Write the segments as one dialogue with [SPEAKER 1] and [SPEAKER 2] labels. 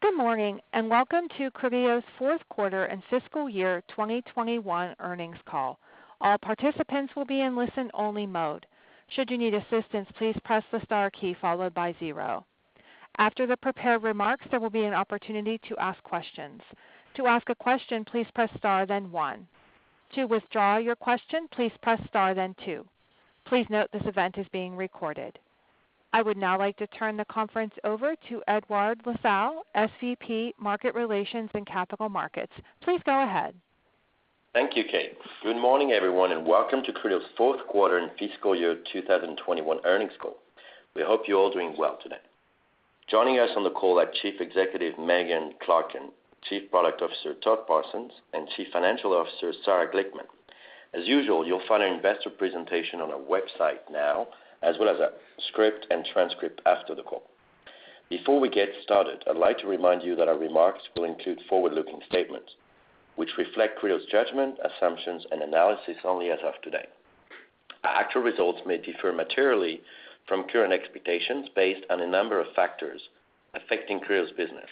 [SPEAKER 1] Good morning, and welcome to Criteo's fourth quarter and fiscal year 2021 earnings call. All participants will be in listen-only mode. Should you need assistance, please press the star key followed by zero. After the prepared remarks, there will be an opportunity to ask questions. To ask a question, please press star then one. To withdraw your question, please press star then two. Please note this event is being recorded. I would now like to turn the conference over to Edouard Lassalle, SVP, Market Relations and Capital Markets. Please go ahead.
[SPEAKER 2] Thank you, Kate. Good morning, everyone, and welcome to Criteo's fourth quarter and fiscal year 2021 earnings call. We hope you're all doing well today. Joining us on the call are Chief Executive, Megan Clarken, Chief Product Officer, Todd Parsons, and Chief Financial Officer, Sarah Glickman. As usual, you'll find our investor presentation on our website now, as well as a script and transcript after the call. Before we get started, I'd like to remind you that our remarks will include forward-looking statements which reflect Criteo's judgment, assumptions, and analysis only as of today. Our actual results may differ materially from current expectations based on a number of factors affecting Criteo's business.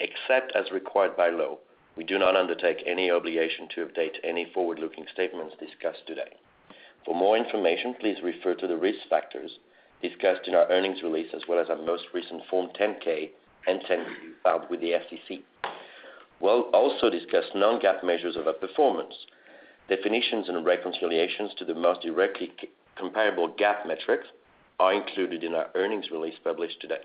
[SPEAKER 2] Except as required by law, we do not undertake any obligation to update any forward-looking statements discussed today. For more information, please refer to the risk factors discussed in our earnings release as well as our most recent Form 10-K and 10-Q filed with the SEC. We'll also discuss non-GAAP measures of our performance. Definitions and reconciliations to the most directly comparable GAAP metrics are included in our earnings release published today.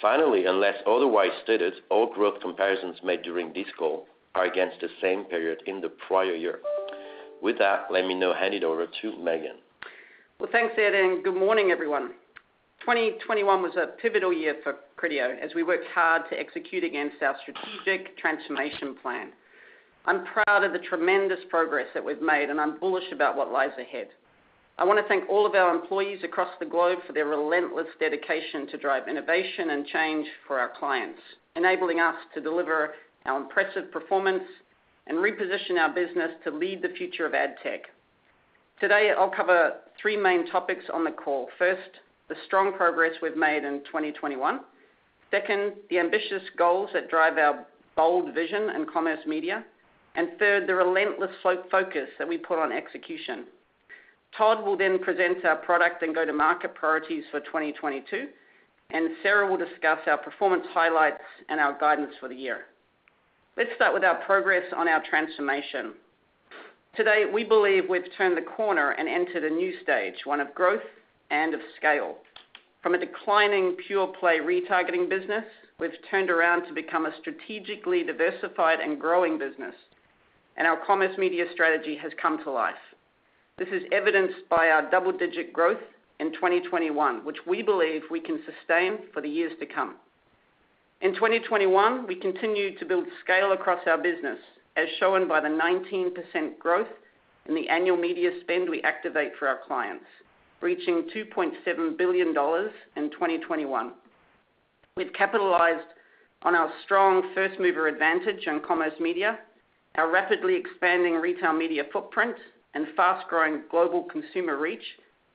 [SPEAKER 2] Finally, unless otherwise stated, all growth comparisons made during this call are against the same period in the prior year. With that, let me now hand it over to Megan.
[SPEAKER 3] Well, thanks, Ed, and good morning, everyone. 2021 was a pivotal year for Criteo as we worked hard to execute against our strategic transformation plan. I'm proud of the tremendous progress that we've made, and I'm bullish about what lies ahead. I wanna thank all of our employees across the globe for their relentless dedication to drive innovation and change for our clients, enabling us to deliver our impressive performance and reposition our business to lead the future of ad tech. Today, I'll cover three main topics on the call. First, the strong progress we've made in 2021. Second, the ambitious goals that drive our bold vision in commerce media. Third, the relentless focus that we put on execution. Todd will then present our product and go-to-market priorities for 2022, and Sarah will discuss our performance highlights and our guidance for the year. Let's start with our progress on our transformation. Today, we believe we've turned the corner and entered a new stage, one of growth and of scale. From a declining pure-play retargeting business, we've turned around to become a strategically diversified and growing business, and our commerce media strategy has come to life. This is evidenced by our double-digit growth in 2021, which we believe we can sustain for the years to come. In 2021, we continued to build scale across our business, as shown by the 19% growth in the annual media spend we activate for our clients, reaching $2.7 billion in 2021. We've capitalized on our strong first-mover advantage in commerce media, our rapidly expanding retail media footprint, and fast-growing global consumer reach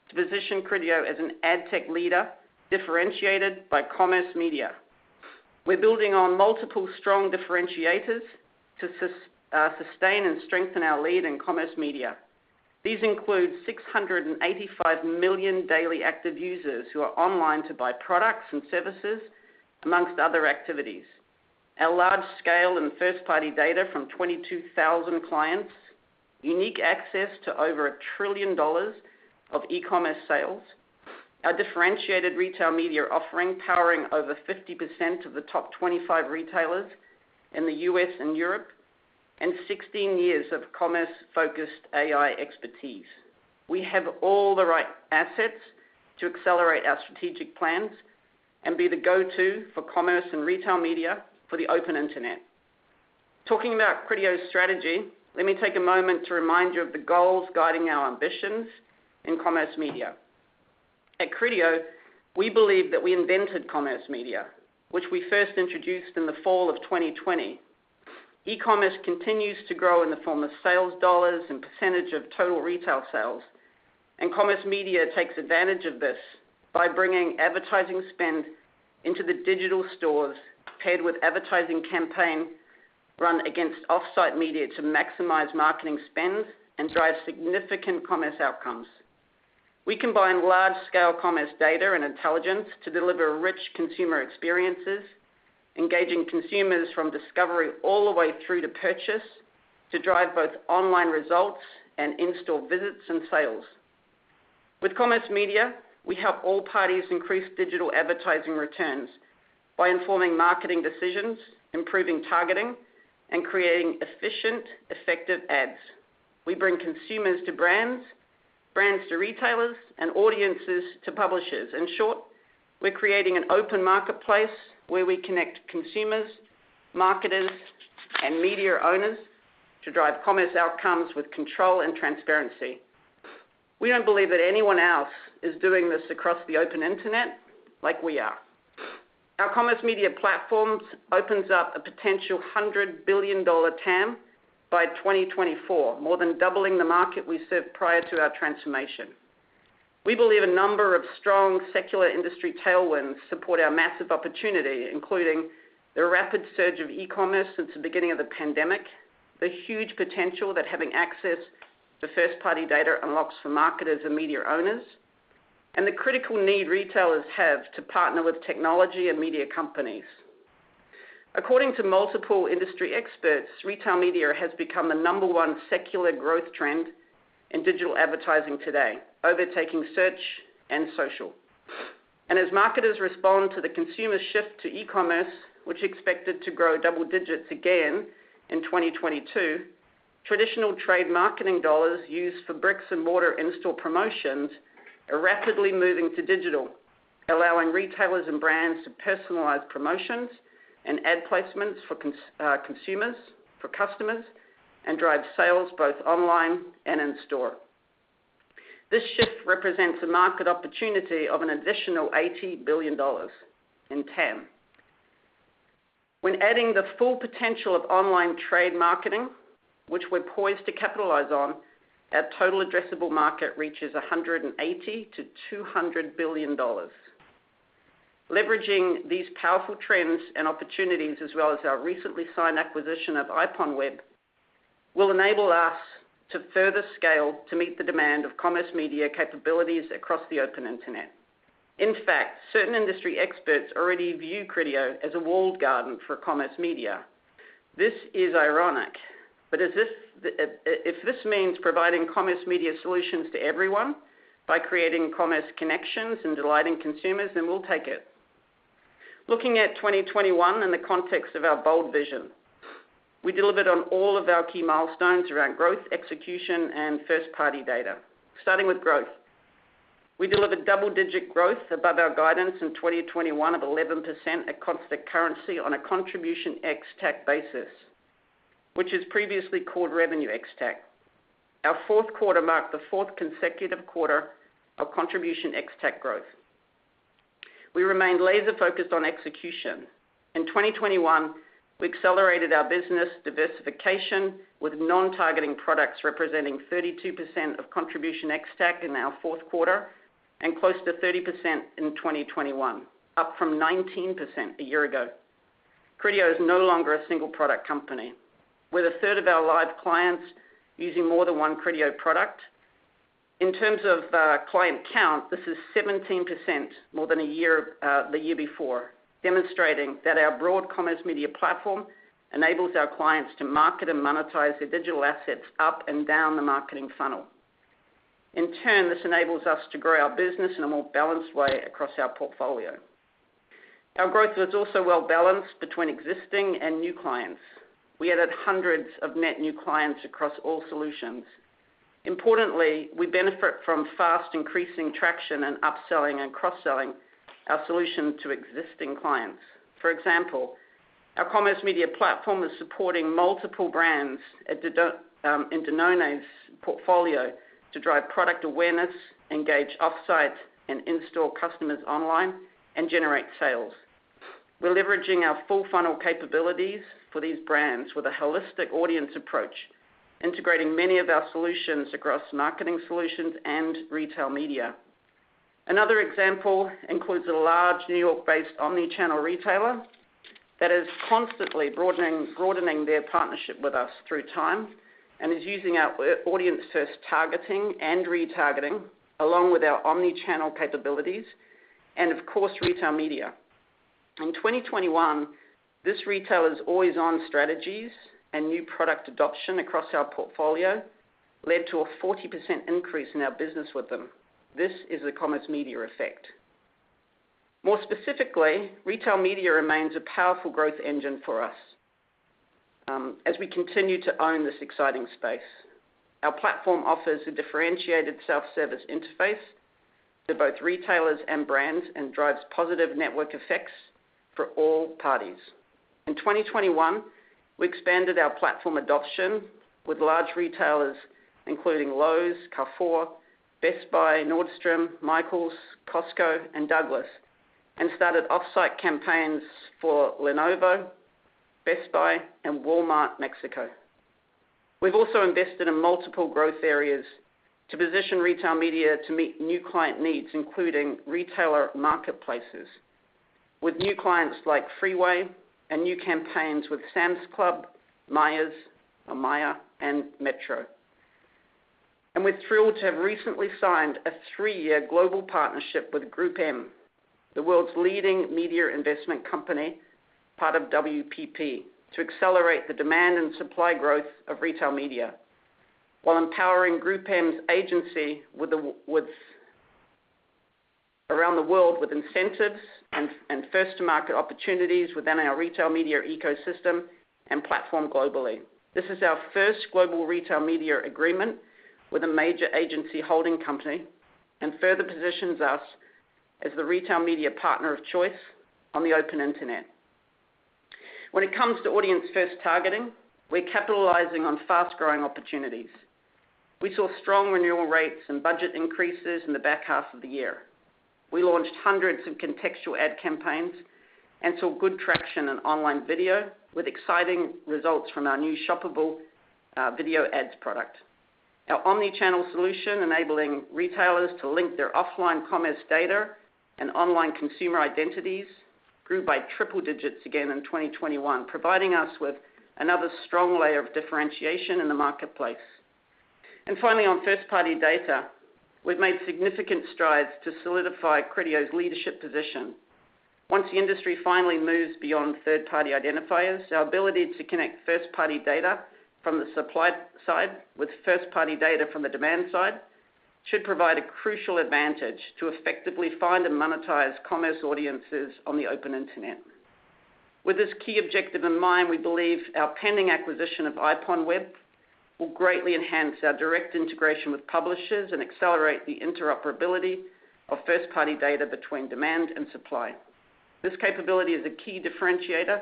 [SPEAKER 3] to position Criteo as an ad tech leader differentiated by commerce media. We're building on multiple strong differentiators to sustain and strengthen our lead in commerce media. These include 685 million daily active users who are online to buy products and services among other activities, our large scale and first-party data from 22,000 clients, unique access to over $1 trillion of e-commerce sales, our differentiated retail media offering powering over 50% of the top 25 retailers in the U.S. and Europe, and 16 years of commerce-focused AI expertise. We have all the right assets to accelerate our strategic plans and be the go-to for commerce and retail media for the open internet. Talking about Criteo's strategy, let me take a moment to remind you of the goals guiding our ambitions in commerce media. At Criteo, we believe that we invented commerce media, which we first introduced in the fall of 2020. E-commerce continues to grow in the form of sales dollars and percentage of total retail sales, and commerce media takes advantage of this by bringing advertising spend into the digital stores paired with advertising campaign run against offsite media to maximize marketing spend and drive significant commerce outcomes. We combine large-scale commerce data and intelligence to deliver rich consumer experiences, engaging consumers from discovery all the way through to purchase to drive both online results and in-store visits and sales. With commerce media, we help all parties increase digital advertising returns by informing marketing decisions, improving targeting, and creating efficient, effective ads. We bring consumers to brands to retailers, and audiences to publishers. In short, we're creating an open marketplace where we connect consumers, marketers, and media owners to drive commerce outcomes with control and transparency. We don't believe that anyone else is doing this across the open internet like we are. Our commerce media platforms opens up a potential $100 billion TAM by 2024, more than doubling the market we served prior to our transformation. We believe a number of strong secular industry tailwinds support our massive opportunity, including the rapid surge of e-commerce since the beginning of the pandemic, the huge potential that having access to first-party data unlocks for marketers and media owners, and the critical need retailers have to partner with technology and media companies. According to multiple industry experts, retail media has become the number one secular growth trend in digital advertising today, overtaking search and social. As marketers respond to the consumer shift to e-commerce, which expected to grow double digits again in 2022, traditional trade marketing dollars used for bricks and mortar in-store promotions are rapidly moving to digital, allowing retailers and brands to personalize promotions and ad placements for consumers and customers, and drive sales both online and in store. This shift represents a market opportunity of an additional $80 billion in TAM. When adding the full potential of online trade marketing, which we're poised to capitalize on, our total addressable market reaches $180 billion-$200 billion. Leveraging these powerful trends and opportunities as well as our recently signed acquisition of IPONWEB will enable us to further scale to meet the demand of commerce media capabilities across the open internet. In fact, certain industry experts already view Criteo as a walled garden for commerce media. This is ironic, but if this means providing commerce media solutions to everyone by creating commerce connections and delighting consumers, then we'll take it. Looking at 2021 in the context of our bold vision, we delivered on all of our key milestones around growth, execution, and first-party data. Starting with growth. We delivered double-digit growth above our guidance in 2021 of 11% at constant currency on a contribution ex-TAC basis, which is previously called revenue ex-TAC. Our fourth quarter marked the fourth consecutive quarter of contribution ex-TAC growth. We remained laser-focused on execution. In 2021, we accelerated our business diversification with non-targeting products representing 32% of contribution ex-TAC in our fourth quarter and close to 30% in 2021, up from 19% a year ago. Criteo is no longer a single product company, with a third of our live clients using more than one Criteo product. In terms of client count, this is 17% more than a year, the year before, demonstrating that our broad commerce media platform enables our clients to market and monetize their digital assets up and down the marketing funnel. In turn, this enables us to grow our business in a more balanced way across our portfolio. Our growth was also well-balanced between existing and new clients. We added hundreds of net new clients across all solutions. Importantly, we benefit from fast increasing traction and upselling and cross-selling our solution to existing clients. For example, our Commerce Media Platform is supporting multiple brands in Danone's portfolio to drive product awareness, engage off-site and in-store customers online, and generate sales. We're leveraging our full funnel capabilities for these brands with a holistic audience approach, integrating many of our solutions across marketing solutions and retail media. Another example includes a large New York-based omni-channel retailer that is constantly broadening their partnership with us over time and is using our audience-first targeting and retargeting along with our omni-channel capabilities and of course, retail media. In 2021, this retailer's always-on strategies and new product adoption across our portfolio led to a 40% increase in our business with them. This is the commerce media effect. More specifically, retail media remains a powerful growth engine for us, as we continue to own this exciting space. Our platform offers a differentiated self-service interface to both retailers and brands and drives positive network effects for all parties. In 2021, we expanded our platform adoption with large retailers, including Lowe's, Carrefour, Best Buy, Nordstrom, Michaels, Costco, and Douglas, and started off-site campaigns for Lenovo, Best Buy, and Walmart de México. We've also invested in multiple growth areas to position retail media to meet new client needs, including retailer marketplaces with new clients like Fruugo and new campaigns with Sam's Club, Meijer, and Metro. We're thrilled to have recently signed a three-year global partnership with GroupM, the world's leading media investment company, part of WPP, to accelerate the demand and supply growth of retail media while empowering GroupM's agency with the around the world with incentives and first-to-market opportunities within our retail media ecosystem and platform globally. This is our first global retail media agreement with a major agency holding company and further positions us as the retail media partner of choice on the open internet. When it comes to audience-first targeting, we're capitalizing on fast-growing opportunities. We saw strong renewal rates and budget increases in the back half of the year. We launched hundreds of contextual ad campaigns and saw good traction in online video with exciting results from our new shoppable video ads product. Our omni-channel solution enabling retailers to link their offline commerce data and online consumer identities grew by triple digits again in 2021, providing us with another strong layer of differentiation in the marketplace. Finally, on first-party data, we've made significant strides to solidify Criteo's leadership position. Once the industry finally moves beyond third-party identifiers, our ability to connect first-party data from the supply side with first-party data from the demand side should provide a crucial advantage to effectively find and monetize commerce audiences on the open internet. With this key objective in mind, we believe our pending acquisition of IPONWEB will greatly enhance our direct integration with publishers and accelerate the interoperability of first-party data between demand and supply. This capability is a key differentiator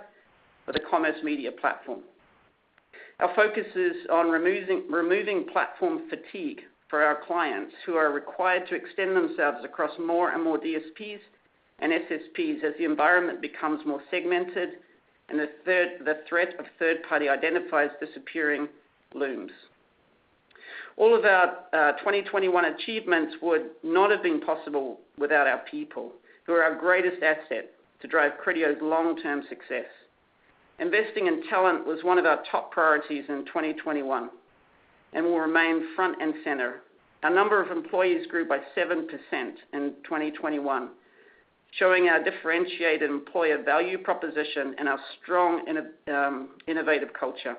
[SPEAKER 3] for the Commerce Media Platform. Our focus is on removing platform fatigue for our clients who are required to extend themselves across more and more DSPs and SSPs as the environment becomes more segmented and the threat of third-party identifiers disappearing looms. All of our 2021 achievements would not have been possible without our people, who are our greatest asset to drive Criteo's long-term success. Investing in talent was one of our top priorities in 2021 and will remain front and center. Our number of employees grew by 7% in 2021, showing our differentiated employer value proposition and our strong innovative culture.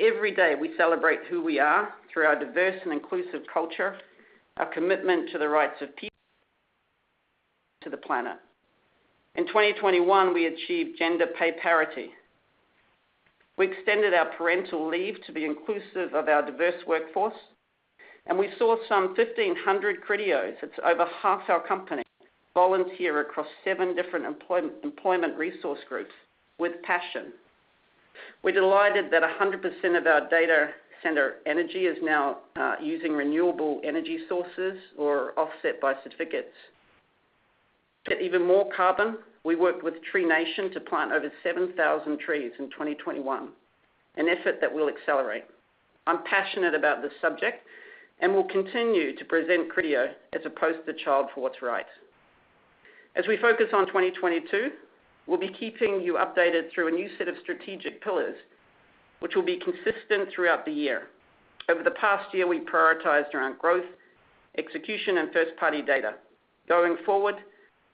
[SPEAKER 3] Every day, we celebrate who we are through our diverse and inclusive culture, our commitment to the rights of people, to the planet. In 2021, we achieved gender pay parity. We extended our parental leave to be inclusive of our diverse workforce, and we saw some 1,500 Criteos, that's over half our company, volunteer across seven different employment resource groups with passion. We're delighted that 100% of our data center energy is now using renewable energy sources or offset by certificates. To get even more carbon, we worked with Tree-Nation to plant over 7,000 trees in 2021, an effort that we'll accelerate. I'm passionate about this subject, and we'll continue to present Criteo as a poster child for what's right. As we focus on 2022, we'll be keeping you updated through a new set of strategic pillars which will be consistent throughout the year. Over the past year, we prioritized around growth, execution, and first-party data. Going forward,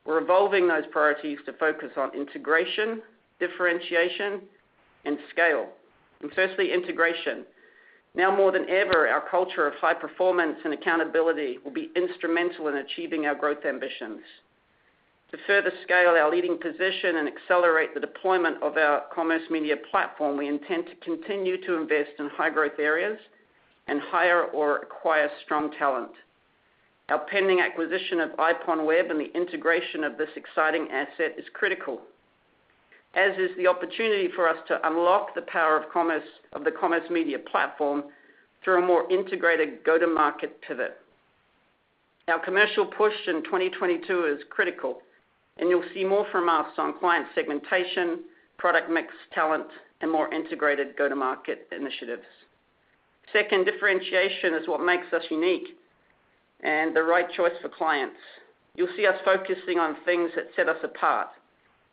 [SPEAKER 3] we're evolving those priorities to focus on integration, differentiation, and scale. Firstly, integration. Now more than ever, our culture of high performance and accountability will be instrumental in achieving our growth ambitions. To further scale our leading position and accelerate the deployment of our Commerce Media Platform, we intend to continue to invest in high-growth areas and hire or acquire strong talent. Our pending acquisition of IPONWEB and the integration of this exciting asset is critical, as is the opportunity for us to unlock the power of commerce of the Commerce Media Platform through a more integrated go-to-market pivot. Our commercial push in 2022 is critical, and you'll see more from us on client segmentation, product mix talent, and more integrated go-to-market initiatives. Second, differentiation is what makes us unique and the right choice for clients. You'll see us focusing on things that set us apart,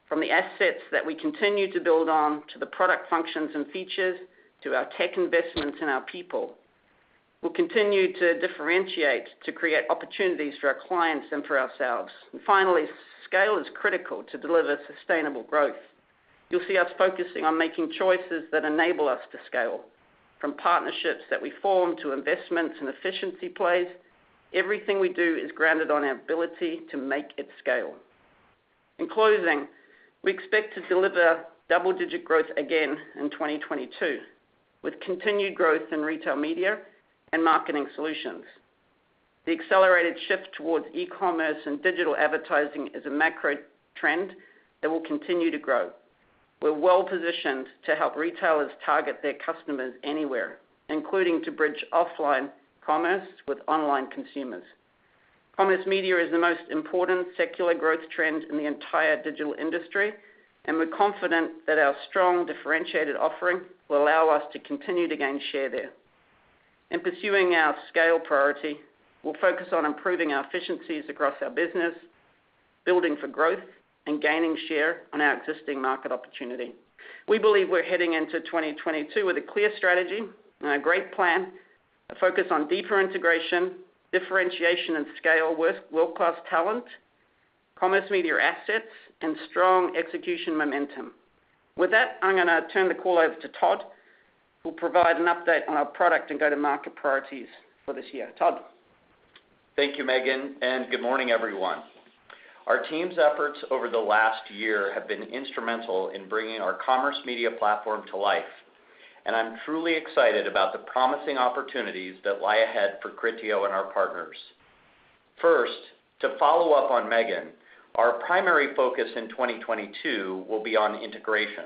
[SPEAKER 3] from the assets that we continue to build on, to the product functions and features, to our tech investments and our people. We'll continue to differentiate to create opportunities for our clients and for ourselves. Finally, scale is critical to deliver sustainable growth. You'll see us focusing on making choices that enable us to scale, from partnerships that we form to investments and efficiency plays. Everything we do is grounded on our ability to make it scale. In closing, we expect to deliver double-digit growth again in 2022, with continued growth in retail media and marketing solutions. The accelerated shift towards e-commerce and digital advertising is a macro trend that will continue to grow. We're well-positioned to help retailers target their customers anywhere, including to bridge offline commerce with online consumers. Commerce Media is the most important secular growth trend in the entire digital industry, and we're confident that our strong differentiated offering will allow us to continue to gain share there. In pursuing our scale priority, we'll focus on improving our efficiencies across our business, building for growth, and gaining share on our existing market opportunity. We believe we're heading into 2022 with a clear strategy and a great plan, a focus on deeper integration, differentiation, and scale, with world-class talent, Commerce Media assets, and strong execution momentum. With that, I'm gonna turn the call over to Todd, who'll provide an update on our product and go-to-market priorities for this year. Todd?
[SPEAKER 4] Thank you, Megan, and good morning, everyone. Our team's efforts over the last year have been instrumental in bringing our Commerce Media Platform to life, and I'm truly excited about the promising opportunities that lie ahead for Criteo and our partners. First, to follow up on Megan, our primary focus in 2022 will be on integration.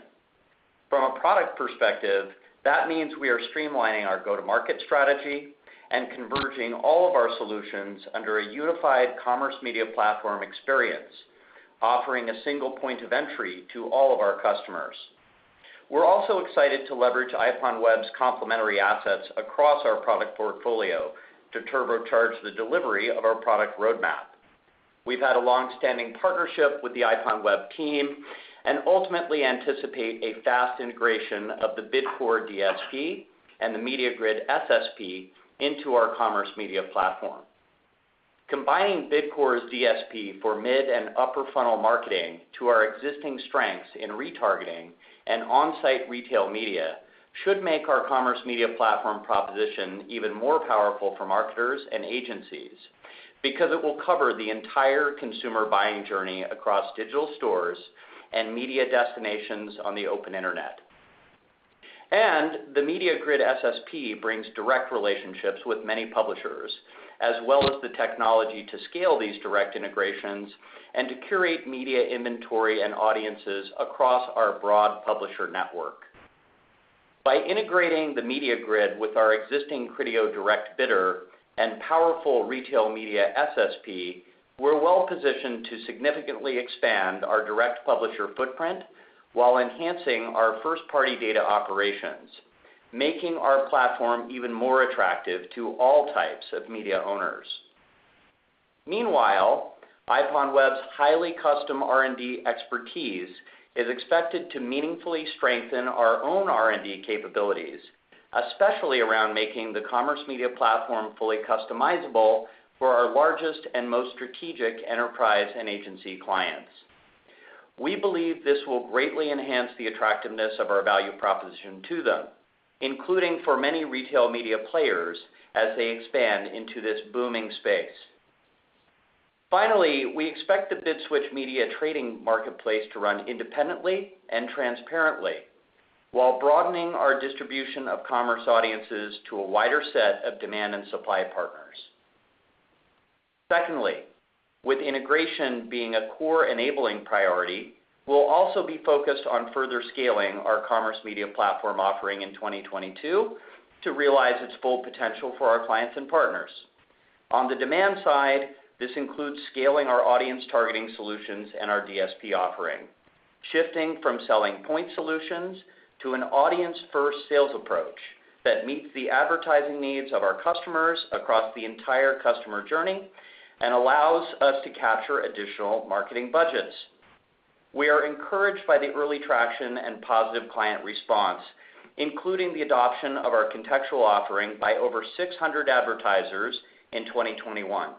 [SPEAKER 4] From a product perspective, that means we are streamlining our go-to-market strategy and converging all of our solutions under a unified commerce media platform experience, offering a single point of entry to all of our customers. We're also excited to leverage IPONWEB's complementary assets across our product portfolio to turbocharge the delivery of our product roadmap. We've had a long-standing partnership with the IPONWEB team and ultimately anticipate a fast integration of the BidCore DSP and the MediaGrid SSP into our commerce media platform. Combining BidCore's DSP for mid and upper funnel marketing to our existing strengths in retargeting and on-site retail media should make our commerce media platform proposition even more powerful for marketers and agencies because it will cover the entire consumer buying journey across digital stores and media destinations on the open internet. The MediaGrid SSP brings direct relationships with many publishers, as well as the technology to scale these direct integrations and to curate media inventory and audiences across our broad publisher network. By integrating the MediaGrid with our existing Criteo Direct Bidder and powerful retail media SSP, we're well-positioned to significantly expand our direct publisher footprint while enhancing our first-party data operations, making our platform even more attractive to all types of media owners. Meanwhile, IPONWEB's highly custom R&D expertise is expected to meaningfully strengthen our own R&D capabilities, especially around making the commerce media platform fully customizable for our largest and most strategic enterprise and agency clients. We believe this will greatly enhance the attractiveness of our value proposition to them, including for many retail media players as they expand into this booming space. Finally, we expect the BidSwitch media trading marketplace to run independently and transparently while broadening our distribution of commerce audiences to a wider set of demand and supply partners. Secondly, with integration being a core enabling priority, we'll also be focused on further scaling our commerce media platform offering in 2022 to realize its full potential for our clients and partners. On the demand side, this includes scaling our audience targeting solutions and our DSP offering, shifting from selling point solutions to an audience-first sales approach that meets the advertising needs of our customers across the entire customer journey and allows us to capture additional marketing budgets. We are encouraged by the early traction and positive client response, including the adoption of our contextual offering by over 600 advertisers in 2021,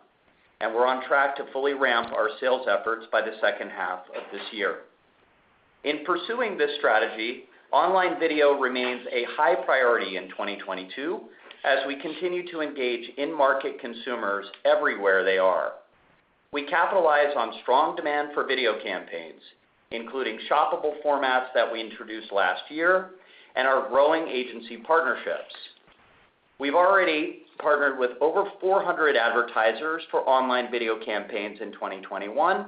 [SPEAKER 4] and we're on track to fully ramp our sales efforts by the second half of this year. In pursuing this strategy, online video remains a high priority in 2022 as we continue to engage in-market consumers everywhere they are. We capitalize on strong demand for video campaigns, including shoppable formats that we introduced last year and our growing agency partnerships. We've already partnered with over 400 advertisers for online video campaigns in 2021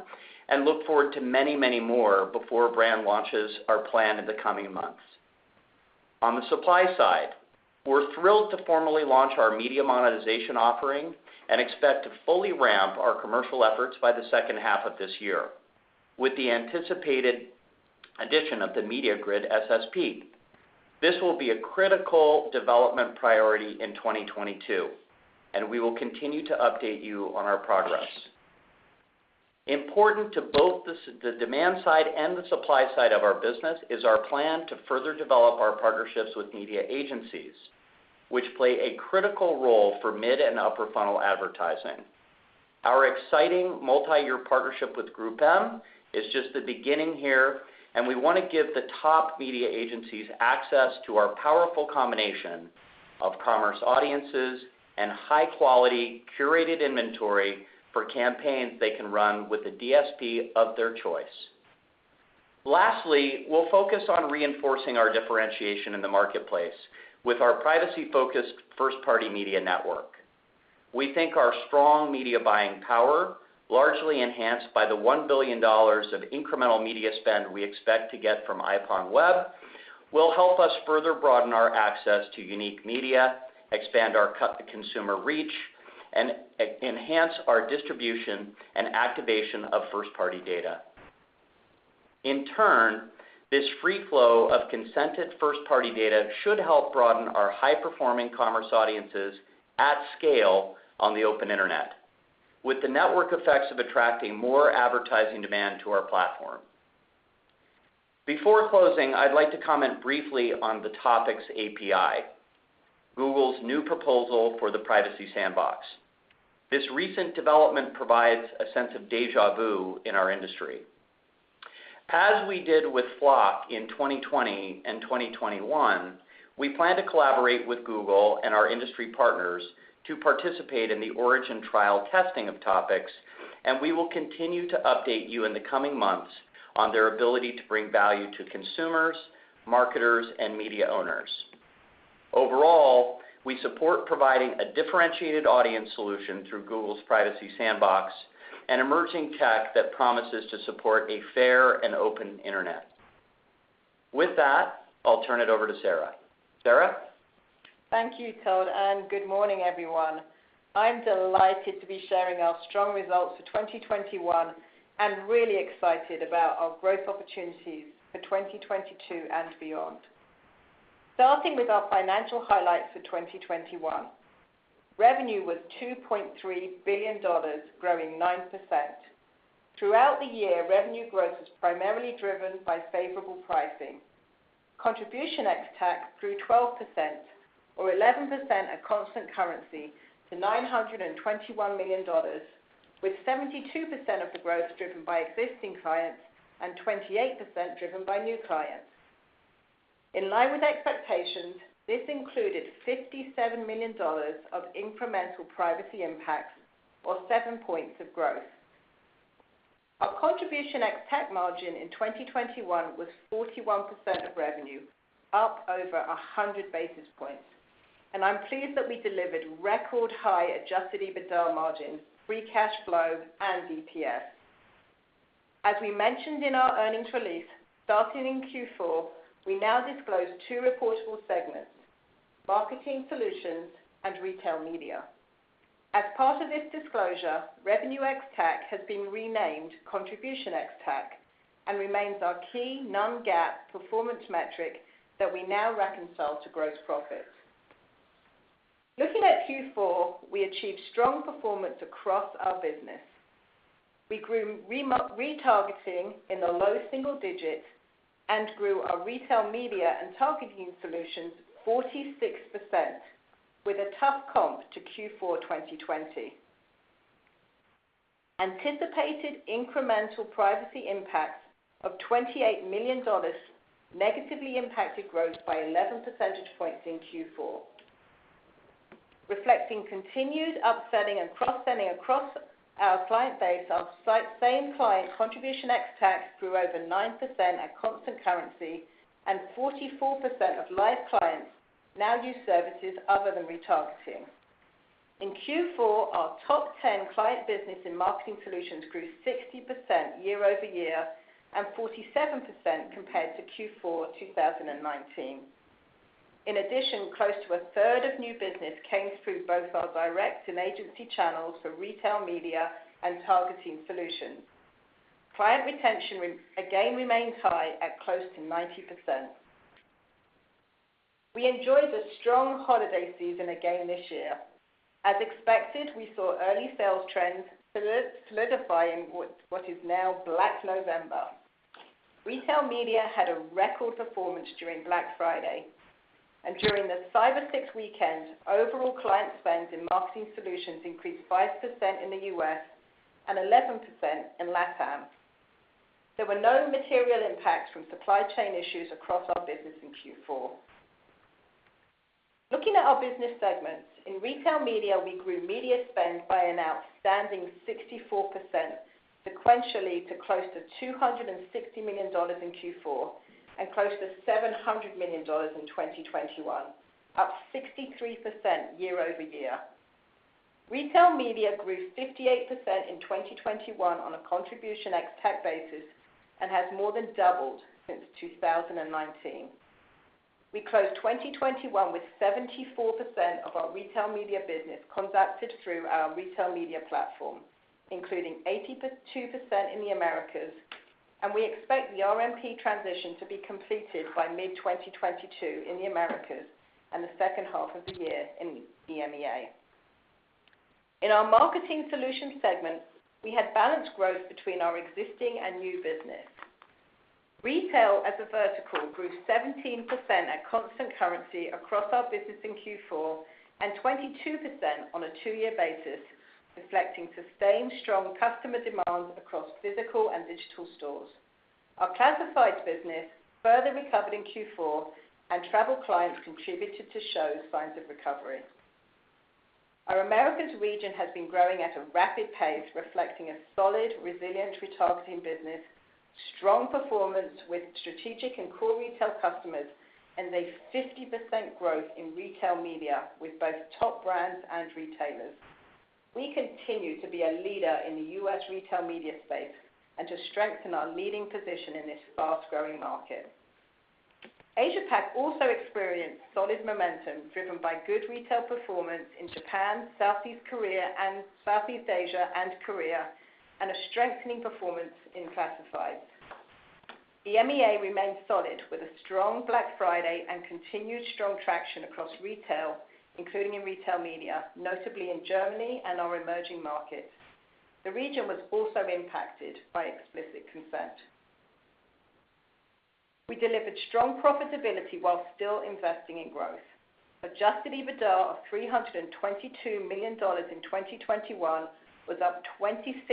[SPEAKER 4] and look forward to many, many more before brand launches are planned in the coming months. On the supply side, we're thrilled to formally launch our media monetization offering and expect to fully ramp our commercial efforts by the second half of this year with the anticipated addition of the MediaGrid SSP. This will be a critical development priority in 2022, and we will continue to update you on our progress. Important to both the demand side and the supply side of our business is our plan to further develop our partnerships with media agencies, which play a critical role for mid and upper funnel advertising. Our exciting multi-year partnership with GroupM is just the beginning here, and we want to give the top media agencies access to our powerful combination of commerce audiences and high-quality curated inventory for campaigns they can run with the DSP of their choice. Lastly, we'll focus on reinforcing our differentiation in the marketplace with our privacy-focused first-party media network. We think our strong media buying power, largely enhanced by the $1 billion of incremental media spend we expect to get from IPONWEB, will help us further broaden our access to unique media, expand our click-to-consumer reach, and enhance our distribution and activation of first-party data. In turn, this free flow of consented first-party data should help broaden our high-performing commerce audiences at scale on the open internet with the network effects of attracting more advertising demand to our platform. Before closing, I'd like to comment briefly on the Topics API, Google's new proposal for the Privacy Sandbox. This recent development provides a sense of déjà vu in our industry. As we did with FLoC in 2020 and 2021, we plan to collaborate with Google and our industry partners to participate in the origin trial testing of Topics, and we will continue to update you in the coming months on their ability to bring value to consumers, marketers, and media owners. Overall, we support providing a differentiated audience solution through Google's Privacy Sandbox and emerging tech that promises to support a fair and open internet. With that, I'll turn it over to Sarah. Sarah?
[SPEAKER 5] Thank you, Todd, and good morning, everyone. I'm delighted to be sharing our strong results for 2021, and really excited about our growth opportunities for 2022 and beyond. Starting with our financial highlights for 2021, revenue was $2.3 billion, growing 9%. Throughout the year, revenue growth was primarily driven by favorable pricing. Contribution ex-TAC grew 12% or 11% at constant currency to $921 million, with 72% of the growth driven by existing clients and 28% driven by new clients. In line with expectations, this included $57 million of incremental privacy impacts or 7 points of growth. Our contribution ex-TAC margin in 2021 was 41% of revenue, up over 100 basis points, and I'm pleased that we delivered record high Adjusted EBITDA margin, free cash flow, and EPS. As we mentioned in our earnings release, starting in Q4, we now disclose two reportable segments: Marketing Solutions and Retail Media. As part of this disclosure, revenue ex-TAC has been renamed contribution ex-TAC and remains our key non-GAAP performance metric that we now reconcile to gross profit. Looking at Q4, we achieved strong performance across our business. We grew retargeting in the low single digits and grew our retail media and targeting solutions 46% with a tough comp to Q4 2020. Anticipated incremental privacy impacts of $28 million negatively impacted growth by 11 percentage points in Q4. Reflecting continued upselling and cross-selling across our client base, our same client contribution ex-TAC grew over 9% at constant currency and 44% of live clients now use services other than retargeting. In Q4, our top 10 client business in marketing solutions grew 60% year-over-year and 47% compared to Q4 2019. In addition, close to a third of new business came through both our direct and agency channels for retail media and targeting solutions. Client retention again remained high at close to 90%. We enjoyed a strong holiday season again this year. As expected, we saw early sales trends solidifying with what is now Black November. Retail media had a record performance during Black Friday. During the Cyber Six weekend, overall client spend in marketing solutions increased 5% in the U.S. and 11% in LatAm. There were no material impacts from supply chain issues across our business in Q4. Looking at our business segments, in retail media, we grew media spend by an outstanding 64% sequentially to close to $260 million in Q4 and close to $700 million in 2021, up 63% year-over-year. Retail media grew 58% in 2021 on a contribution ex-TAC basis and has more than doubled since 2019. We closed 2021 with 74% of our retail media business conducted through our retail media platform, including 82% in the Americas, and we expect the RMP transition to be completed by mid-2022 in the Americas and the second half of the year in EMEA. In our marketing solutions segment, we had balanced growth between our existing and new business. Retail as a vertical grew 17% at constant currency across our business in Q4 and 22% on a two-year basis, reflecting sustained strong customer demand across physical and digital stores. Our classifieds business further recovered in Q4, and travel clients contributed to show signs of recovery. Our Americas region has been growing at a rapid pace, reflecting a solid, resilient retargeting business, strong performance with strategic and core retail customers, and a 50% growth in retail media with both top brands and retailers. We continue to be a leader in the U.S. retail media space and to strengthen our leading position in this fast-growing market. Asia Pac also experienced solid momentum driven by good retail performance in Japan, South Korea, and Southeast Asia and Korea, and a strengthening performance in classifieds. EMEA remained solid with a strong Black Friday and continued strong traction across retail, including in retail media, notably in Germany and our emerging markets. The region was also impacted by explicit consent. We delivered strong profitability while still investing in growth. Adjusted EBITDA of $322 million in 2021 was up 26%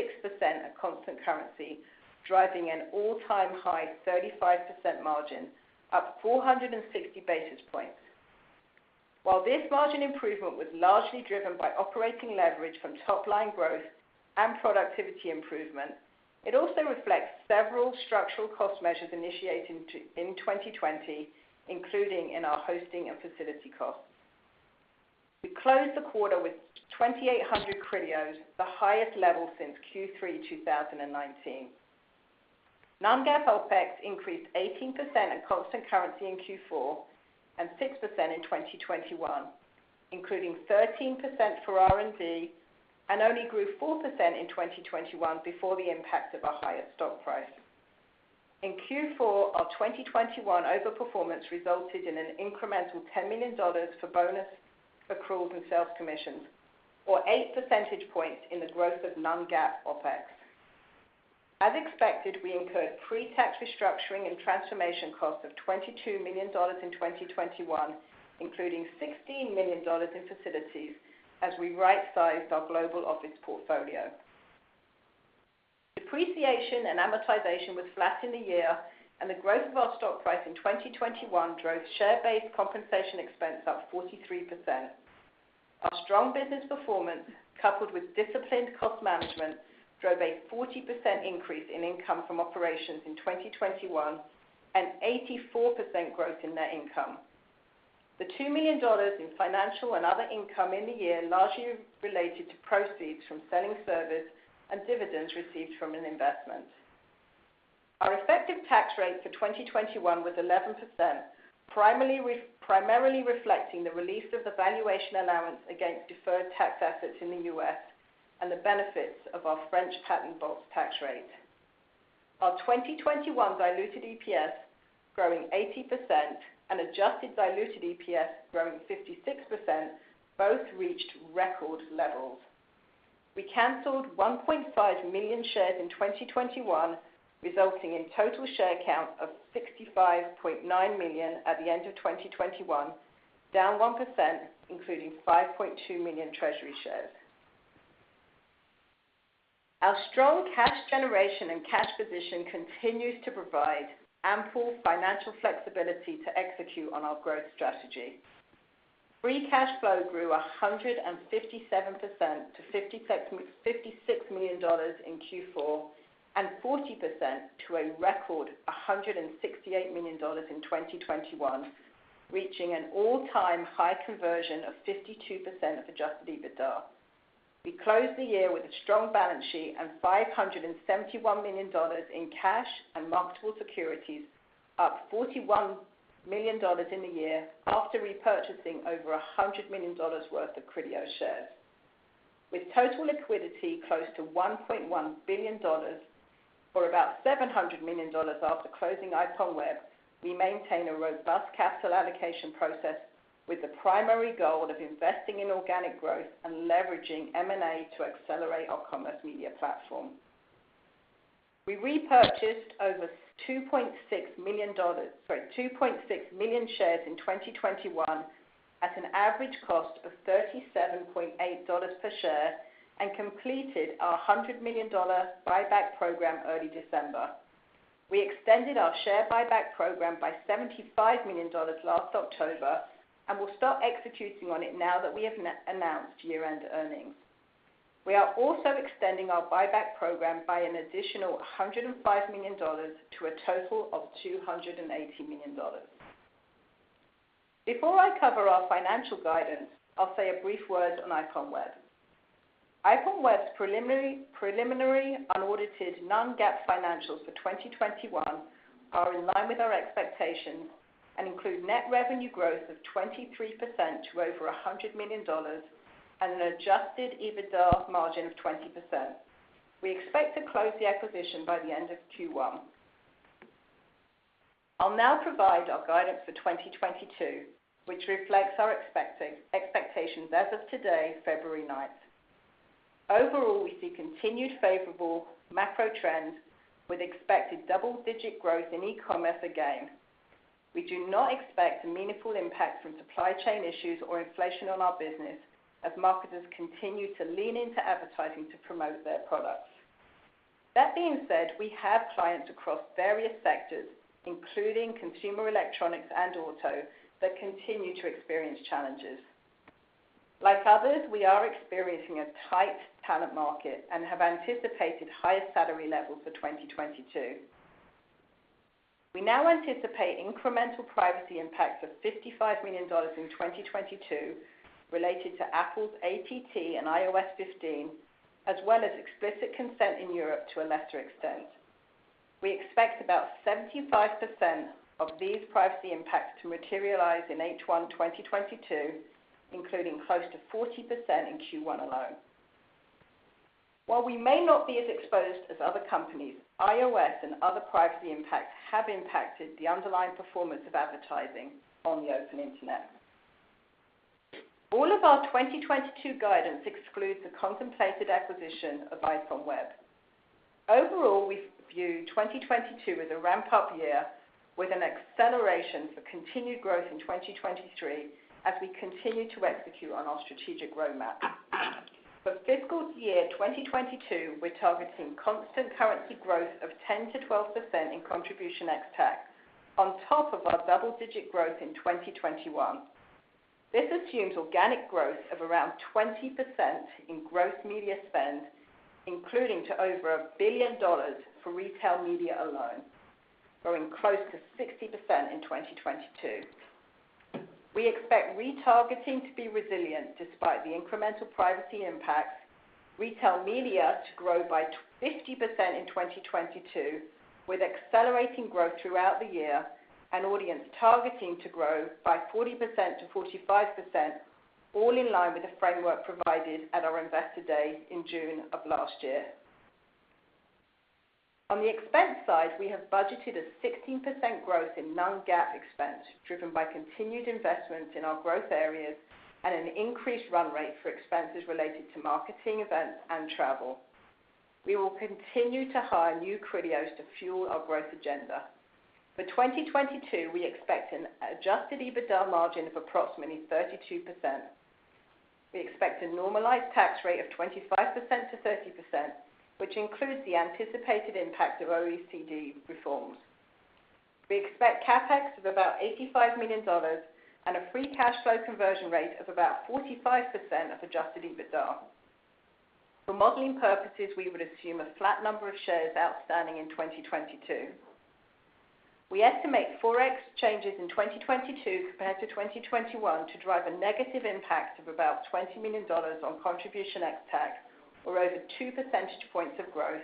[SPEAKER 5] at constant currency, driving an all-time high 35% margin, up 460 basis points. While this margin improvement was largely driven by operating leverage from top-line growth and productivity improvements. It also reflects several structural cost measures initiated in 2020, including in our hosting and facility costs. We closed the quarter with 2,800 Criteos, the highest level since Q3 2019. Non-GAAP OpEx increased 18% at constant currency in Q4 and 6% in 2021, including 13% for R&D and only grew 4% in 2021 before the impact of our higher stock price. In Q4 of 2021, overperformance resulted in an incremental $10 million for bonus accruals and sales commissions, or 8 percentage points in the growth of non-GAAP OpEx. As expected, we incurred pre-tax restructuring and transformation costs of $22 million in 2021, including $16 million in facilities as we right-sized our global office portfolio. Depreciation and amortization was flat in the year, and the growth of our stock price in 2021 drove share-based compensation expense up 43%. Our strong business performance, coupled with disciplined cost management, drove a 40% increase in income from operations in 2021 and 84% growth in net income. The $2 million in financial and other income in the year largely related to proceeds from selling service and dividends received from an investment. Our effective tax rate for 2021 was 11%, primarily reflecting the release of the valuation allowance against deferred tax assets in the U.S. and the benefits of our French patent box tax rate. Our 2021 diluted EPS growing 80% and adjusted diluted EPS growing 56% both reached record levels. We canceled 1.5 million shares in 2021, resulting in total share count of 65.9 million at the end of 2021, down 1%, including 5.2 million treasury shares. Our strong cash generation and cash position continues to provide ample financial flexibility to execute on our growth strategy. Free cash flow grew 157% to $56 million in Q4 and 40% to a record $168 million in 2021, reaching an all-time high conversion of 52% of Adjusted EBITDA. We closed the year with a strong balance sheet and $571 million in cash and marketable securities, up $41 million in the year after repurchasing over $100 million worth of Criteo shares. With total liquidity close to $1.1 billion, or about $700 million after closing IPONWEB, we maintain a robust capital allocation process with the primary goal of investing in organic growth and leveraging M&A to accelerate our commerce media platform. We repurchased over 2.6 million shares in 2021 at an average cost of $37.8 per share and completed our $100 million buyback program early December. We extended our share buyback program by $75 million last October, and we'll start executing on it now that we have announced year-end earnings. We are also extending our buyback program by an additional $105 million to a total of $280 million. Before I cover our financial guidance, I'll say a brief word on IPONWEB. IPONWEB's preliminary unaudited non-GAAP financials for 2021 are in line with our expectations and include net revenue growth of 23% to over $100 million and an adjusted EBITDA margin of 20%. We expect to close the acquisition by the end of Q1. I'll now provide our guidance for 2022, which reflects our expectations as of today, February 9. Overall, we see continued favorable macro trends with expected double-digit growth in e-commerce again. We do not expect a meaningful impact from supply chain issues or inflation on our business as marketers continue to lean into advertising to promote their products. That being said, we have clients across various sectors, including consumer electronics and auto, that continue to experience challenges. Like others, we are experiencing a tight talent market and have anticipated higher salary levels for 2022. We now anticipate incremental privacy impacts of $55 million in 2022 related to Apple's ATT and iOS 15, as well as explicit consent in Europe to a lesser extent. We expect about 75% of these privacy impacts to materialize in H1 2022, including close to 40% in Q1 alone. While we may not be as exposed as other companies, iOS and other privacy impacts have impacted the underlying performance of advertising on the open internet. All of our 2022 guidance excludes the contemplated acquisition of IPONWEB. Overall, we view 2022 as a ramp-up year with an acceleration for continued growth in 2023 as we continue to execute on our strategic roadmap. For fiscal year 2022, we're targeting constant currency growth of 10%-12% in contribution ex-TAC on top of our double-digit growth in 2021. This assumes organic growth of around 20% in gross media spend, including to over $1 billion for retail media alone, growing close to 60% in 2022. We expect Retargeting to be resilient despite the incremental privacy impacts, retail media to grow by 50% in 2022, with accelerating growth throughout the year, and audience targeting to grow by 40%-45%, all in line with the framework provided at our Investor Day in June of last year. On the expense side, we have budgeted a 16% growth in non-GAAP expense, driven by continued investments in our growth areas and an increased run rate for expenses related to marketing events and travel. We will continue to hire new Criteos to fuel our growth agenda. For 2022, we expect an adjusted EBITDA margin of approximately 32%. We expect a normalized tax rate of 25%-30%, which includes the anticipated impact of OECD reforms. We expect CapEx of about $85 million and a free cash flow conversion rate of about 45% of adjusted EBITDA. For modeling purposes, we would assume a flat number of shares outstanding in 2022. We estimate Forex changes in 2022 compared to 2021 to drive a negative impact of about $20 million on contribution ex-TAC, or over 2 percentage points of growth,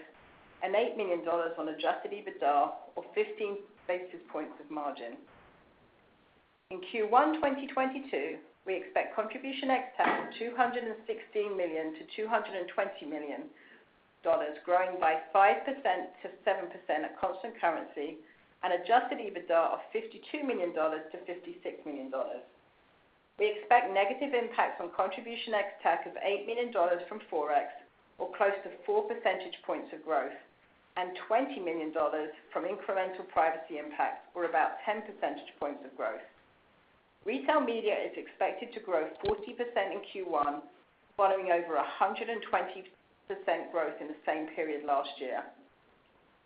[SPEAKER 5] and $8 million on adjusted EBITDA, or 15 basis points of margin. In Q1 2022, we expect contribution ex-TAC of $216 million-$220 million, growing by 5%-7% at constant currency, and adjusted EBITDA of $52 million-$56 million. We expect negative impacts on contribution ex-TAC of $8 million from Forex, or close to 4 percentage points of growth, and $20 million from incremental privacy impacts, or about 10 percentage points of growth. Retail media is expected to grow 40% in Q1, following over 120% growth in the same period last year.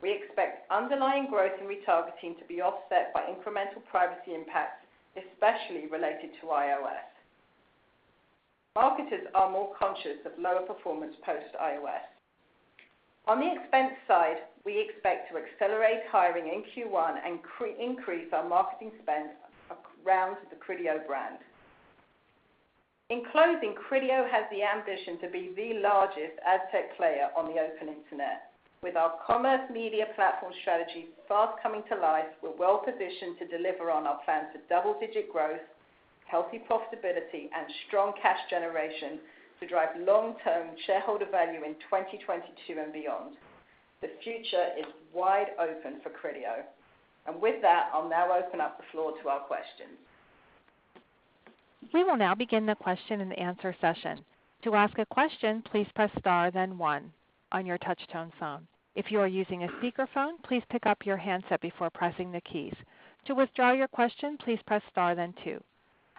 [SPEAKER 5] We expect underlying growth in Retargeting to be offset by incremental privacy impacts, especially related to iOS. Marketers are more conscious of lower performance post-iOS. On the expense side, we expect to accelerate hiring in Q1 and increase our marketing spend around the Criteo brand. In closing, Criteo has the ambition to be the largest ad tech player on the open internet. With our commerce media platform strategy fast coming to life, we're well-positioned to deliver on our plans for double-digit growth, healthy profitability, and strong cash generation to drive long-term shareholder value in 2022 and beyond. The future is wide open for Criteo. With that, I'll now open up the floor to our questions.
[SPEAKER 1] We will now begin the question and answer session. To ask a question, please press star then one on your touch-tone phone. If you are using a speakerphone, please pick up your handset before pressing the keys. To withdraw your question, please press star then two.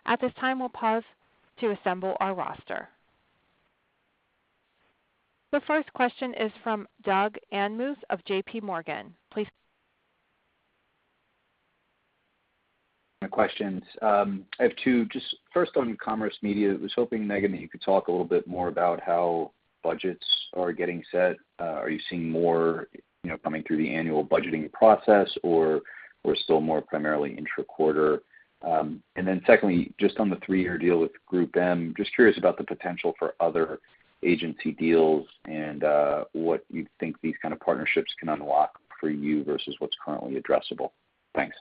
[SPEAKER 1] At this time, we'll pause to assemble our roster. The first question is from Doug Anmuth of J.PMorgan. Please
[SPEAKER 6] My questions. I have two. Just first on Commerce Media, I was hoping, Megan, that you could talk a little bit more about how budgets are getting set. Are you seeing more, you know, coming through the annual budgeting process, or we're still more primarily intra-quarter? And then secondly, just on the three-year deal with GroupM, just curious about the potential for other agency deals and what you think these kind of partnerships can unlock for you versus what's currently addressable. Thanks.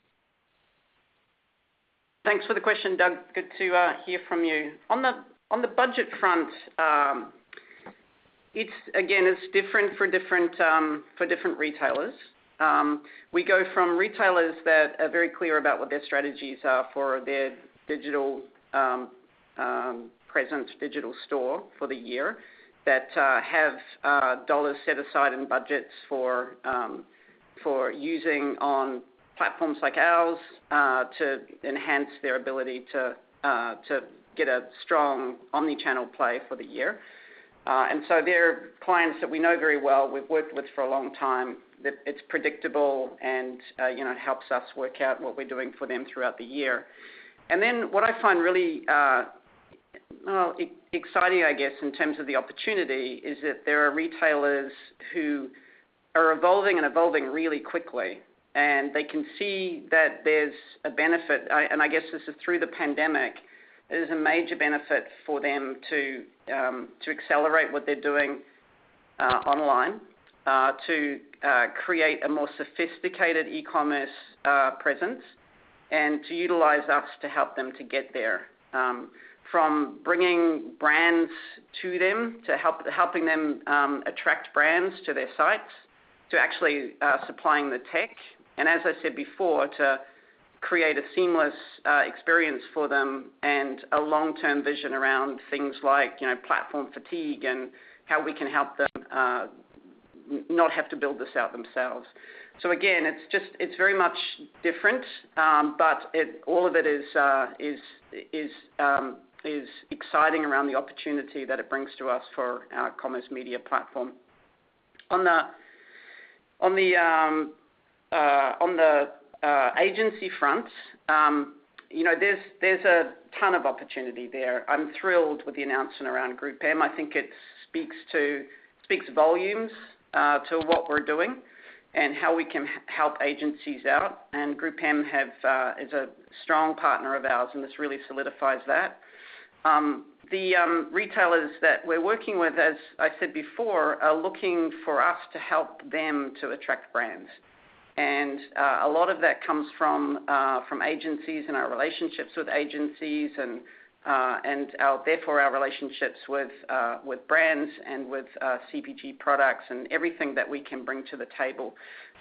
[SPEAKER 3] Thanks for the question, Doug. Good to hear from you. On the budget front, it's again different for different retailers. We go from retailers that are very clear about what their strategies are for their digital presence, digital store for the year that have dollars set aside in budgets for using on platforms like ours to enhance their ability to get a strong omni-channel play for the year. They're clients that we know very well, we've worked with for a long time, that it's predictable and you know helps us work out what we're doing for them throughout the year. What I find really, well, exciting, I guess, in terms of the opportunity is that there are retailers who are evolving really quickly, and they can see that there's a benefit. I guess this is through the pandemic. There's a major benefit for them to accelerate what they're doing online to create a more sophisticated e-commerce presence and to utilize us to help them to get there. From bringing brands to them, helping them attract brands to their sites, to actually supplying the tech, and as I said before, to create a seamless experience for them and a long-term vision around things like, you know, platform fatigue and how we can help them not have to build this out themselves. Again, it's just, it's very much different, but all of it is exciting around the opportunity that it brings to us for our Commerce Media Platform. On the agency front, you know, there's a ton of opportunity there. I'm thrilled with the announcement around GroupM. I think it speaks volumes to what we're doing and how we can help agencies out. GroupM is a strong partner of ours, and this really solidifies that. The retailers that we're working with, as I said before, are looking for us to help them to attract brands. A lot of that comes from agencies and our relationships with agencies and our relationships with brands and with CPG products and everything that we can bring to the table.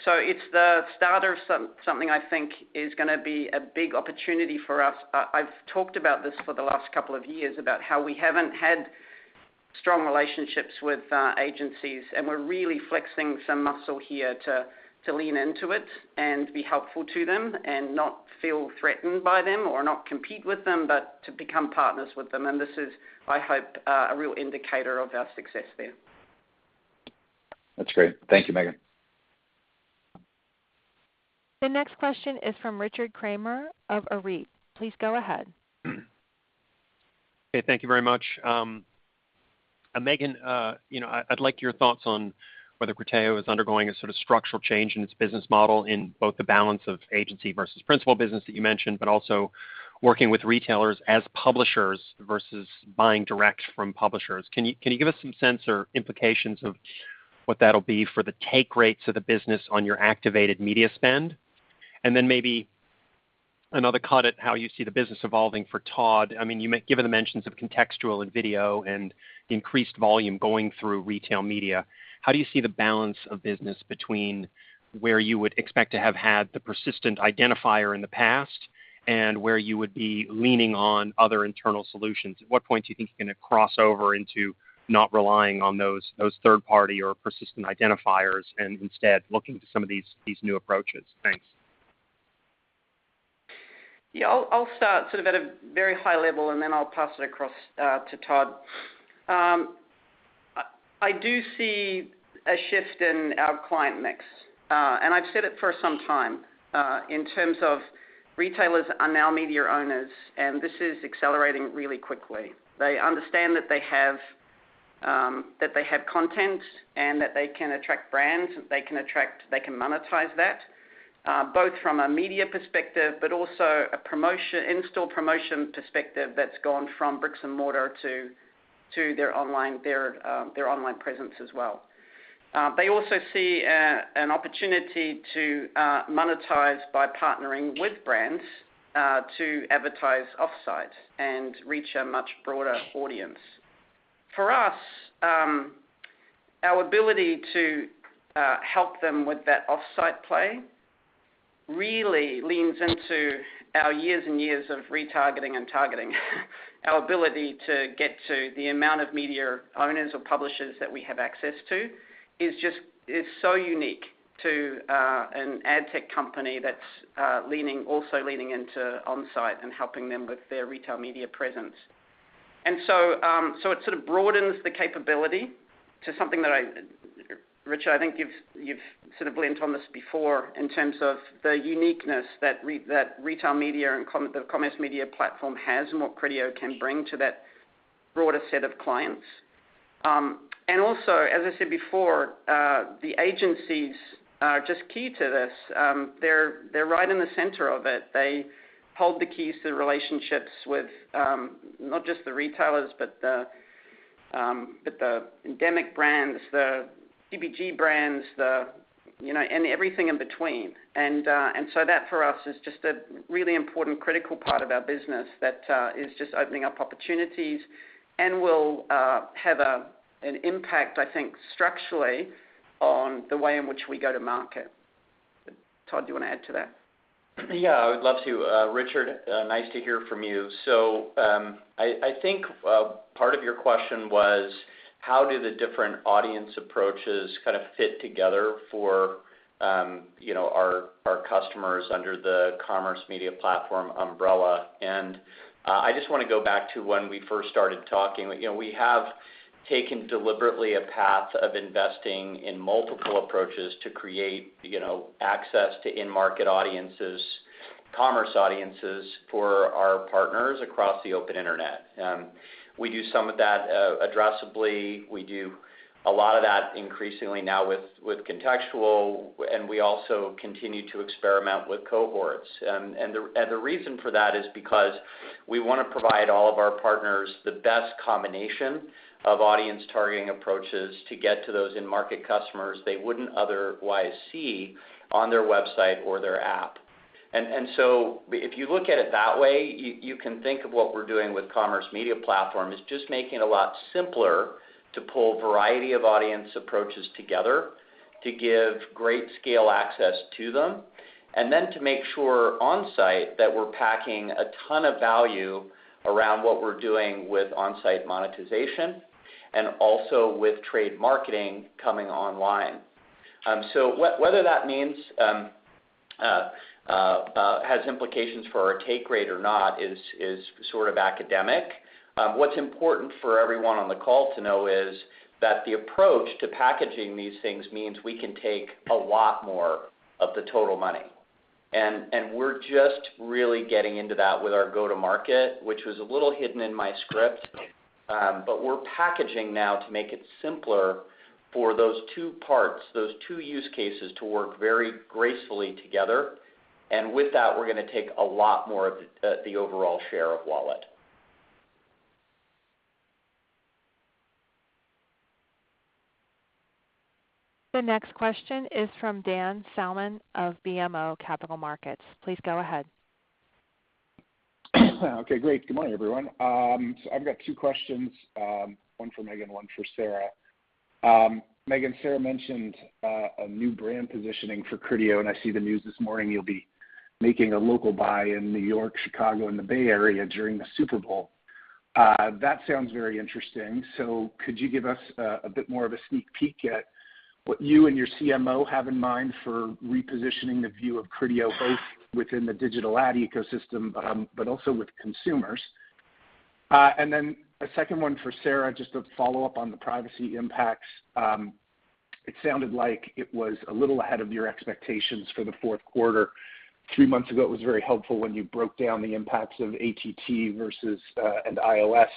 [SPEAKER 3] It's the starter of something I think is gonna be a big opportunity for us. I've talked about this for the last couple of years about how we haven't had strong relationships with agencies, and we're really flexing some muscle here to lean into it and be helpful to them and not feel threatened by them or not compete with them, but to become partners with them. This is, I hope, a real indicator of our success there.
[SPEAKER 6] That's great. Thank you, Megan.
[SPEAKER 1] The next question is from Richard Kramer of Arete. Please go ahead.
[SPEAKER 7] Okay, thank you very much. Megan, you know, I'd like your thoughts on whether Criteo is undergoing a sort of structural change in its business model in both the balance of agency versus principal business that you mentioned, but also working with retailers as publishers versus buying direct from publishers. Can you give us some sense or implications of what that'll be for the take rates of the business on your activated media spend? Maybe another cut at how you see the business evolving for Todd. I mean, given the mentions of contextual and video and increased volume going through retail media, how do you see the balance of business between where you would expect to have had the persistent identifier in the past and where you would be leaning on other internal solutions? At what point do you think you're gonna cross over into not relying on those third-party or persistent identifiers and instead looking to some of these new approaches? Thanks.
[SPEAKER 3] Yeah, I'll start sort of at a very high level, and then I'll pass it across to Todd. I do see a shift in our client mix, and I've said it for some time, in terms of retailers are now media owners, and this is accelerating really quickly. They understand that they have content and that they can attract brands, they can monetize that, both from a media perspective, but also an in-store promotion perspective that's gone from bricks and mortar to their online presence as well. They also see an opportunity to monetize by partnering with brands to advertise offsite and reach a much broader audience. For us, our ability to help them with that offsite play really leans into our years and years of retargeting and targeting. Our ability to get to the amount of media owners or publishers that we have access to is so unique to an ad tech company that's leaning into on-site and helping them with their retail media presence. It sort of broadens the capability to something that I, Rich, I think you've sort of leaned on this before in terms of the uniqueness that retail media and the Commerce Media Platform has and what Criteo can bring to that broader set of clients. As I said before, the agencies are just key to this. They're right in the center of it. They hold the keys to relationships with, not just the retailers, but the endemic brands, the CPG brands, you know, and everything in between. That for us is just a really important critical part of our business that is just opening up opportunities and will have an impact, I think, structurally on the way in which we go to market. Todd, do you wanna add to that?
[SPEAKER 4] Yeah, I would love to. Richard, nice to hear from you. I think part of your question was how do the different audience approaches kind of fit together for, you know, our customers under the Commerce Media Platform umbrella. I just wanna go back to when we first started talking. You know, we have taken deliberately a path of investing in multiple approaches to create, you know, access to in-market audiences, commerce audiences for our partners across the open internet. We do some of that addressably. We do a lot of that increasingly now with contextual, and we also continue to experiment with cohorts. The reason for that is because we wanna provide all of our partners the best combination of audience targeting approaches to get to those in-market customers they wouldn't otherwise see on their website or their app. So if you look at it that way, you can think of what we're doing with Commerce Media Platform is just making it a lot simpler to pull variety of audience approaches together to give great scale access to them, and then to make sure on-site that we're packing a ton of value around what we're doing with on-site monetization and also with trade marketing coming online. Whether that means, Has implications for our take rate or not is sort of academic. What's important for everyone on the call to know is that the approach to packaging these things means we can take a lot more of the total money. We're just really getting into that with our go-to-market, which was a little hidden in my script. We're packaging now to make it simpler for those two parts, those two use cases to work very gracefully together. With that, we're gonna take a lot more of the overall share of wallet.
[SPEAKER 1] The next question is from Dan Salmon of BMO Capital Markets. Please go ahead.
[SPEAKER 8] Okay, great. Good morning, everyone. I've got two questions, one for Megan, one for Sarah. Megan, Sarah mentioned a new brand positioning for Criteo, and I see the news this morning, you'll be making a local buy in New York, Chicago, and the Bay Area during the Super Bowl. That sounds very interesting. Could you give us a bit more of a sneak peek at what you and your CMO have in mind for repositioning the view of Criteo, both within the digital ad ecosystem, but also with consumers? Then a second one for Sarah, just to follow up on the privacy impacts. It sounded like it was a little ahead of your expectations for the fourth quarter. Three months ago, it was very helpful when you broke down the impacts of ATT versus and iOS.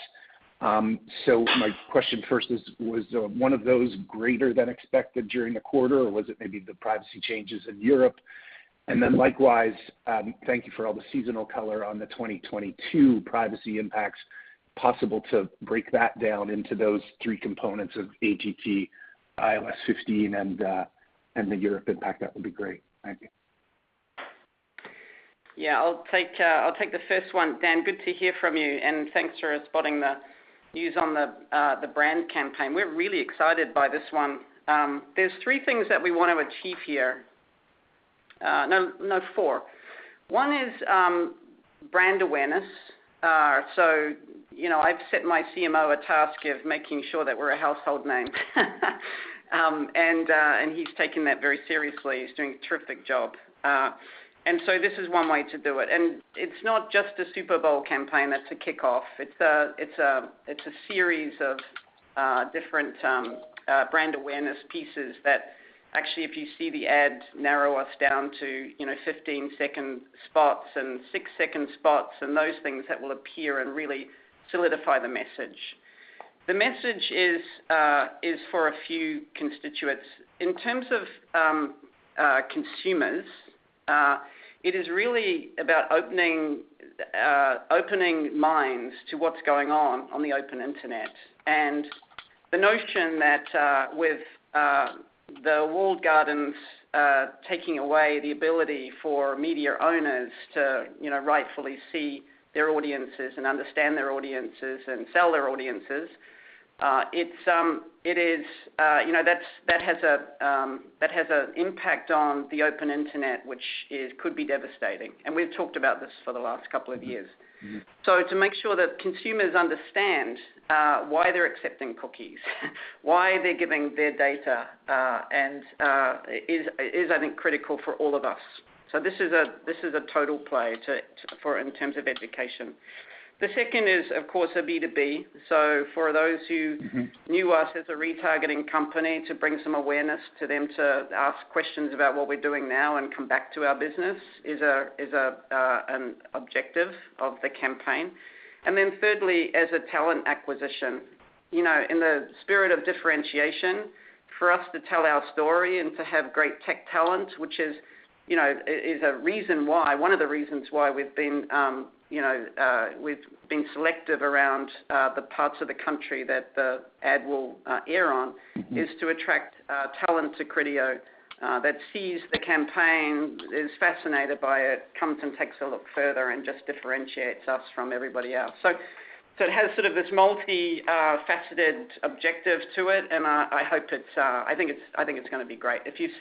[SPEAKER 8] My question first is, was one of those greater than expected during the quarter, or was it maybe the privacy changes in Europe? Then likewise, thank you for all the seasonal color on the 2022 privacy impacts. Possible to break that down into those three components of ATT, iOS 15, and the Europe impact? That would be great. Thank you.
[SPEAKER 3] Yeah. I'll take the first one. Dan, good to hear from you, and thanks for spotting the news on the brand campaign. We're really excited by this one. There's three things that we want to achieve here. No, four. One is brand awareness. You know, I've set my CMO a task of making sure that we're a household name. He's taking that very seriously. He's doing a terrific job. This is one way to do it. It's not just a Super Bowl campaign that's a kickoff. It's a series of different brand awareness pieces that actually, if you see the ad narrows us down to, you know, 15-second spots and six-second spots and those things that will appear and really solidify the message. The message is for a few constituents. In terms of consumers, it is really about opening minds to what's going on on the open Internet. The notion that with the walled gardens taking away the ability for media owners to, you know, rightfully see their audiences and understand their audiences and sell their audiences, it's you know that has an impact on the open Internet, which could be devastating. We've talked about this for the last couple of years.
[SPEAKER 8] Mm-hmm.
[SPEAKER 9] To make sure that consumers understand why they're accepting cookies, why they're giving their data, and is, I think, critical for all of us. This is a total play for in terms of education. The second is, of course, a B2B. For those who
[SPEAKER 8] Mm-hmm
[SPEAKER 3] knew us as a retargeting company to bring some awareness to them to ask questions about what we're doing now and come back to our business is an objective of the campaign. Thirdly, as a talent acquisition. You know, in the spirit of differentiation, for us to tell our story and to have great tech talent, which you know is a reason why, one of the reasons why we've been selective around the parts of the country that the ad will air on.
[SPEAKER 8] Mm-hmm
[SPEAKER 3] is to attract talent to Criteo that sees the campaign, is fascinated by it, comes and takes a look further and just differentiates us from everybody else. It has sort of this multi-faceted objective to it, and I hope it's, I think it's gonna be great. If you've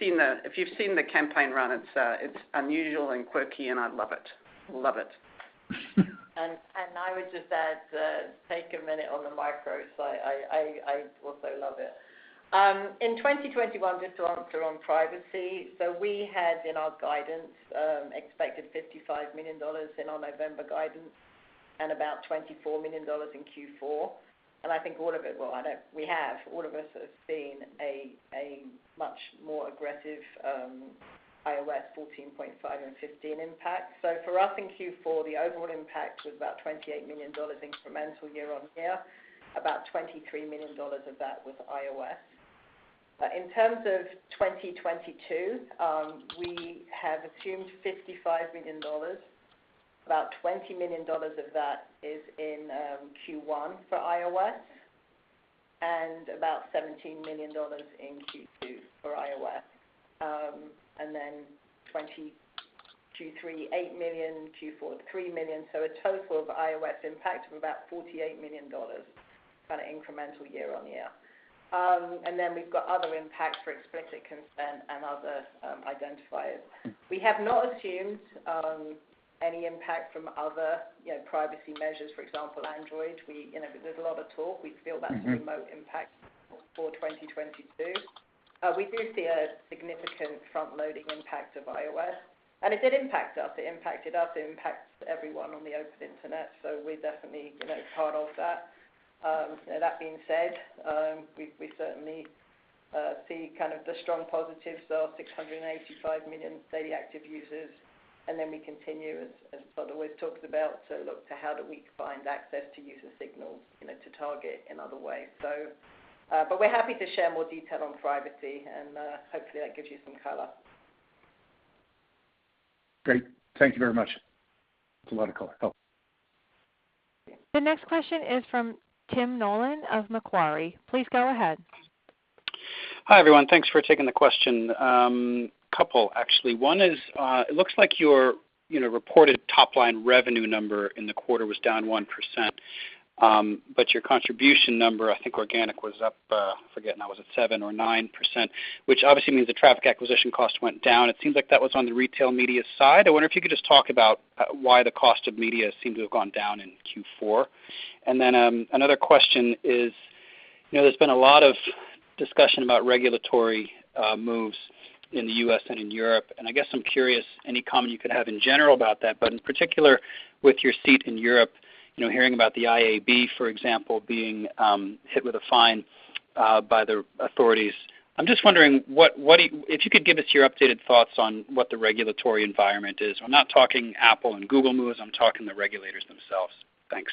[SPEAKER 3] seen the campaign run, it's unusual and quirky, and I love it.
[SPEAKER 5] I would just add, take a minute on the macro. I also love it. In 2021, just to answer on privacy, we had in our guidance expected $55 million in our November guidance and about $24 million in Q4. All of us have seen a much more aggressive iOS 14.5 and 15 impact. For us in Q4, the overall impact was about $28 million incremental year-over-year. About $23 million of that was iOS. In terms of 2022, we have assumed $55 million. About $20 million of that is in Q1 for iOS and about $17 million in Q2 for iOS. And then Q3, $8 million, Q4, $3 million. A total of iOS impact of about $48 million kind of incremental year-over-year. We've got other impacts for explicit consent and other identifiers. We have not assumed any impact from other privacy measures, for example, Android. You know, there's a lot of talk. We feel that's
[SPEAKER 8] Mm-hmm
[SPEAKER 5] A remote impact for 2022. We do see a significant front-loading impact of iOS, and it did impact us. It impacts everyone on the open internet, so we're definitely, you know, part of that. That being said, we certainly see kind of the strong positives of 685 million daily active users. We continue, as Todd always talks about, to look to how do we find access to user signals, you know, to target in other ways. We're happy to share more detail on privacy and, hopefully that gives you some color.
[SPEAKER 8] Great. Thank you very much. That's a lot of color help.
[SPEAKER 1] The next question is from Tim Nollen of Macquarie. Please go ahead.
[SPEAKER 10] Hi, everyone. Thanks for taking the question. Couple actually. One is, it looks like your, you know, reported top-line revenue number in the quarter was down 1%, but your contribution number, I think organic was up, forgetting that was it 7% or 9%, which obviously means the traffic acquisition cost went down. It seems like that was on the retail media side. I wonder if you could just talk about why the cost of media seemed to have gone down in Q4. Another question is, you know, there's been a lot of discussion about regulatory moves in the U.S. and in Europe, and I guess I'm curious any comment you could have in general about that, but in particular with your seat in Europe, you know, hearing about the IAB, for example, being hit with a fine by the authorities. I'm just wondering what if you could give us your updated thoughts on what the regulatory environment is. I'm not talking Apple and Google moves. I'm talking the regulators themselves. Thanks.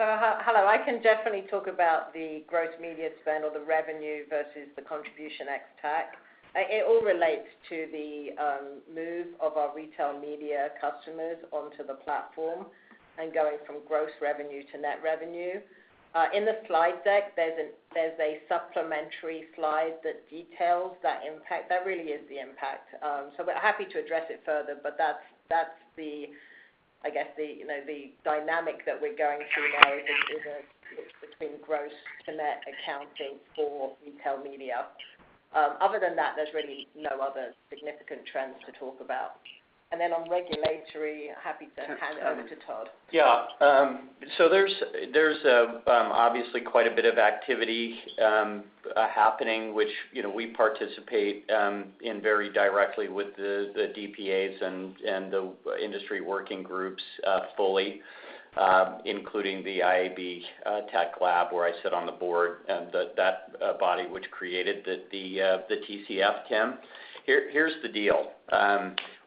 [SPEAKER 5] Hello. I can definitely talk about the gross media spend or the revenue versus the contribution ex-TAC. It all relates to the move of our retail media customers onto the platform and going from gross revenue to net revenue. In the slide deck, there's a supplementary slide that details that impact. That really is the impact. We're happy to address it further, but that's the, I guess, you know, the dynamic that we're going through now is a it's between gross to net accounting for retail media. Other than that, there's really no other significant trends to talk about. On regulatory, happy to hand over to Todd.
[SPEAKER 4] Yeah. There's obviously quite a bit of activity happening, which, you know, we participate in very directly with the DPAs and the industry working groups fully, including the IAB Tech Lab, where I sit on the board, that body which created the TCF, Tim. Here's the deal.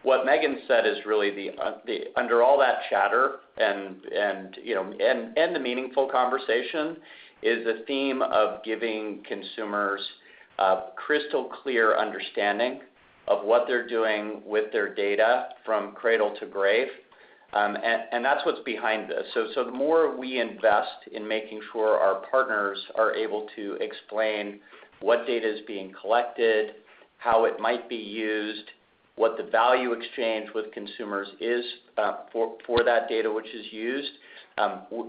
[SPEAKER 4] What Megan said is really under all that chatter and, you know, the meaningful conversation is the theme of giving consumers a crystal clear understanding of what they're doing with their data from cradle to grave, and that's what's behind this. The more we invest in making sure our partners are able to explain what data is being collected, how it might be used, what the value exchange with consumers is, for that data which is used,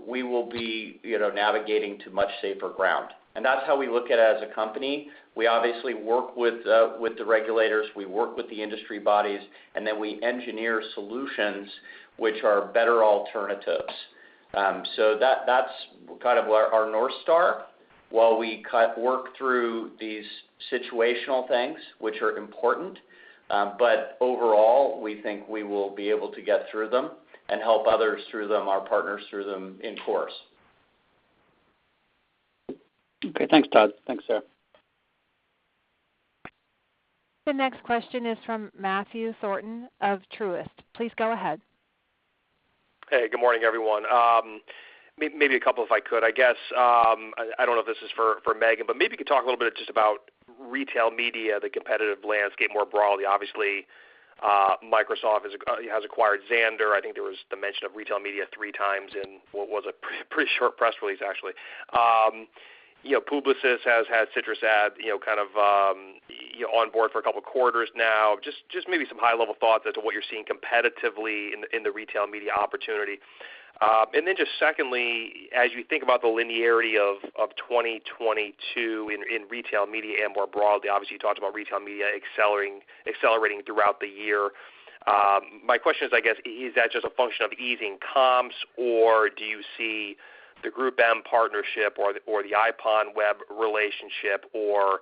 [SPEAKER 4] we will be, you know, navigating to much safer ground. That's how we look at it as a company. We obviously work with the regulators, we work with the industry bodies, and then we engineer solutions which are better alternatives. That's kind of our North Star while we kind of work through these situational things, which are important. Overall, we think we will be able to get through them and help others through them, our partners through them of course.
[SPEAKER 10] Okay. Thanks, Todd. Thanks, Sarah.
[SPEAKER 1] The next question is from Matthew Thornton of Truist. Please go ahead.
[SPEAKER 11] Hey, good morning, everyone. Maybe a couple if I could. I guess, I don't know if this is for Megan, but maybe you could talk a little bit just about retail media, the competitive landscape more broadly. Obviously, Microsoft has acquired Xandr. I think there was the mention of retail media three times in what was a pretty short press release, actually. You know, Publicis has had CitrusAd, you know, kind of, you know, on board for a couple quarters now. Just maybe some high-level thoughts as to what you're seeing competitively in the retail media opportunity. Just secondly, as you think about the linearity of 2022 in retail media and more broadly, obviously, you talked about retail media accelerating throughout the year. My question is, I guess, is that just a function of easing comps, or do you see the GroupM partnership or the IPONWEB relationship or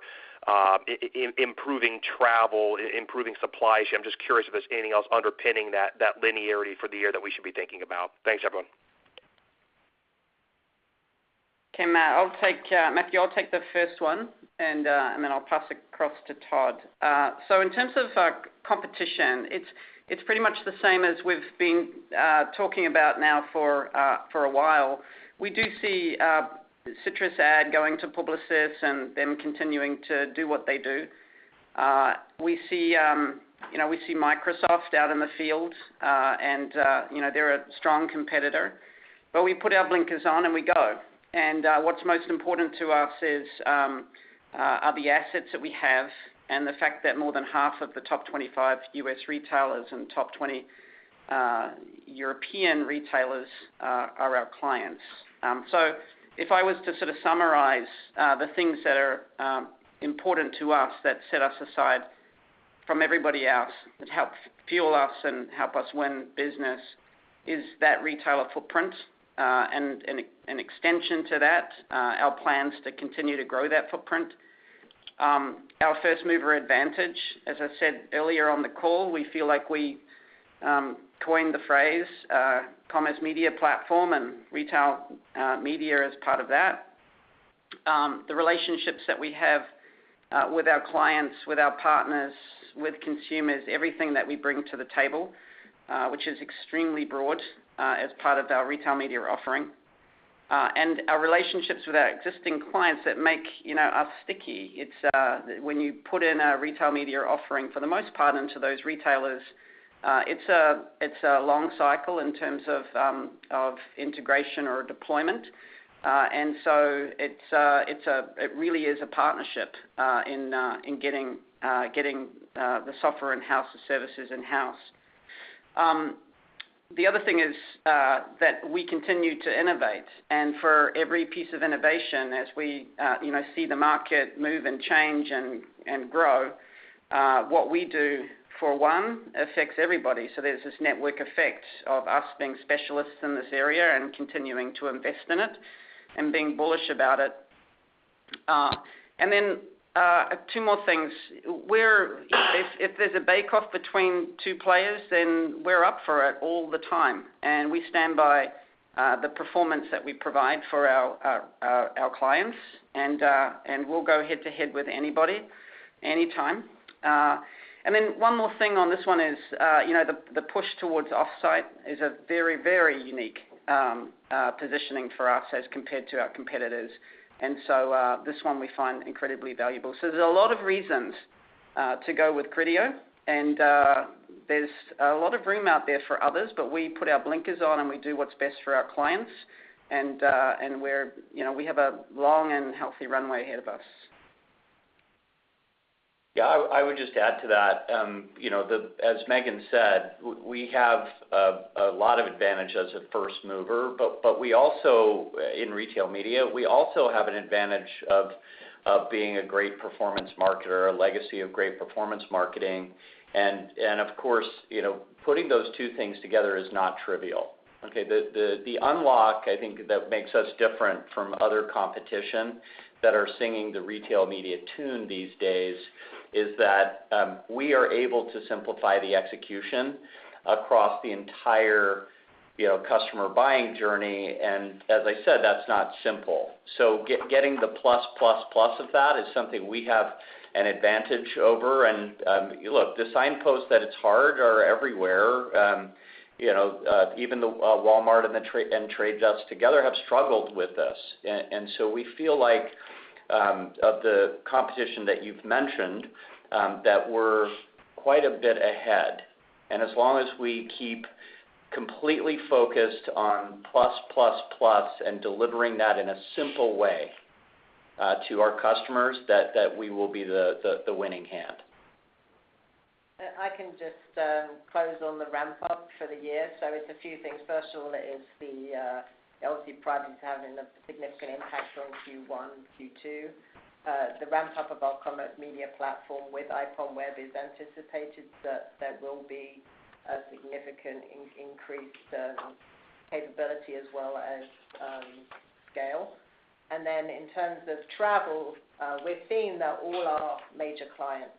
[SPEAKER 11] improving travel, improving supply chain? I'm just curious if there's anything else underpinning that linearity for the year that we should be thinking about. Thanks, everyone.
[SPEAKER 3] Okay, Matt. I'll take, Matthew, I'll take the first one and then I'll pass it across to Todd. In terms of competition, it's pretty much the same as we've been talking about now for a while. We do see CitrusAd going to Publicis and them continuing to do what they do. We see you know Microsoft out in the field, and you know, they're a strong competitor. We put our blinkers on and we go. What's most important to us are the assets that we have and the fact that more than half of the top 25 U.S. retailers and top 20 European retailers are our clients. If I was to sort of summarize the things that are important to us that set us aside. From everybody else that helps fuel us and helps us win business is that retailer footprint, and an extension to that, our plans to continue to grow that footprint. Our first mover advantage, as I said earlier on the call, we feel like we coined the phrase Commerce Media Platform and retail media as part of that. The relationships that we have with our clients, with our partners, with consumers, everything that we bring to the table, which is extremely broad, as part of our retail media offering. Our relationships with our existing clients that make, you know, us sticky. It's when you put in a retail media offering, for the most part, into those retailers, it's a long cycle in terms of integration or deployment. It's a partnership in getting the software in-house, the services in-house. The other thing is that we continue to innovate, and for every piece of innovation as we, you know, see the market move and change and grow, what we do for one affects everybody. There's this network effect of us being specialists in this area and continuing to invest in it and being bullish about it. Two more things. If there's a bake-off between two players, then we're up for it all the time, and we stand by the performance that we provide for our clients, and we'll go head-to-head with anybody anytime. One more thing on this one is, you know, the push towards offsite is a very, very unique positioning for us as compared to our competitors. This one we find incredibly valuable. There's a lot of reasons to go with Criteo, and there's a lot of room out there for others, but we put our blinkers on, and we do what's best for our clients. We're, you know, we have a long and healthy runway ahead of us.
[SPEAKER 4] Yeah, I would just add to that. You know, as Megan said, we have a lot of advantage as a first mover, but we also, in retail media, we also have an advantage of being a great performance marketer, a legacy of great performance marketing. Of course, you know, putting those two things together is not trivial, okay. The unlock, I think, that makes us different from other competition that are singing the retail media tune these days is that we are able to simplify the execution across the entire, you know, customer buying journey, and as I said, that's not simple. Getting the plus plus plus of that is something we have an advantage over. Look, the signposts that it's hard are everywhere. You know, even Walmart and The Trade Desk together have struggled with this. So we feel like, of the competition that you've mentioned, that we're quite a bit ahead. As long as we keep completely focused on plus, plus and delivering that in a simple way to our customers, that we will be the winning hand.
[SPEAKER 5] I can just close on the ramp up for the year. It's a few things. First of all, the iOS privacy is having a significant impact on Q1 and Q2. The ramp up of our commerce media platform with IPONWEB is anticipated that there will be a significant increased capability as well as scale. In terms of travel, we're seeing that all our major clients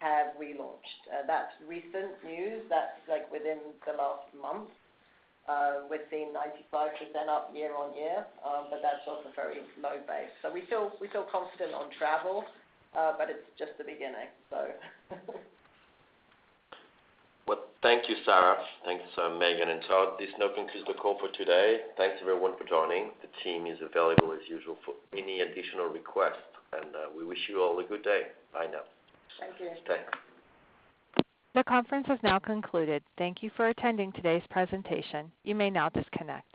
[SPEAKER 5] have relaunched. That's recent news. That's, like, within the last month. We're seeing 95% up year-on-year, but that's off a very low base. We feel confident on travel, but it's just the beginning.
[SPEAKER 2] Well, thank you, Sarah. Thank you so, Megan. This now concludes the call for today. Thanks everyone for joining. The team is available as usual for any additional requests. We wish you all a good day. Bye now.
[SPEAKER 3] Thank you.
[SPEAKER 2] Thanks.
[SPEAKER 1] The conference has now concluded. Thank you for attending today's presentation. You may now disconnect.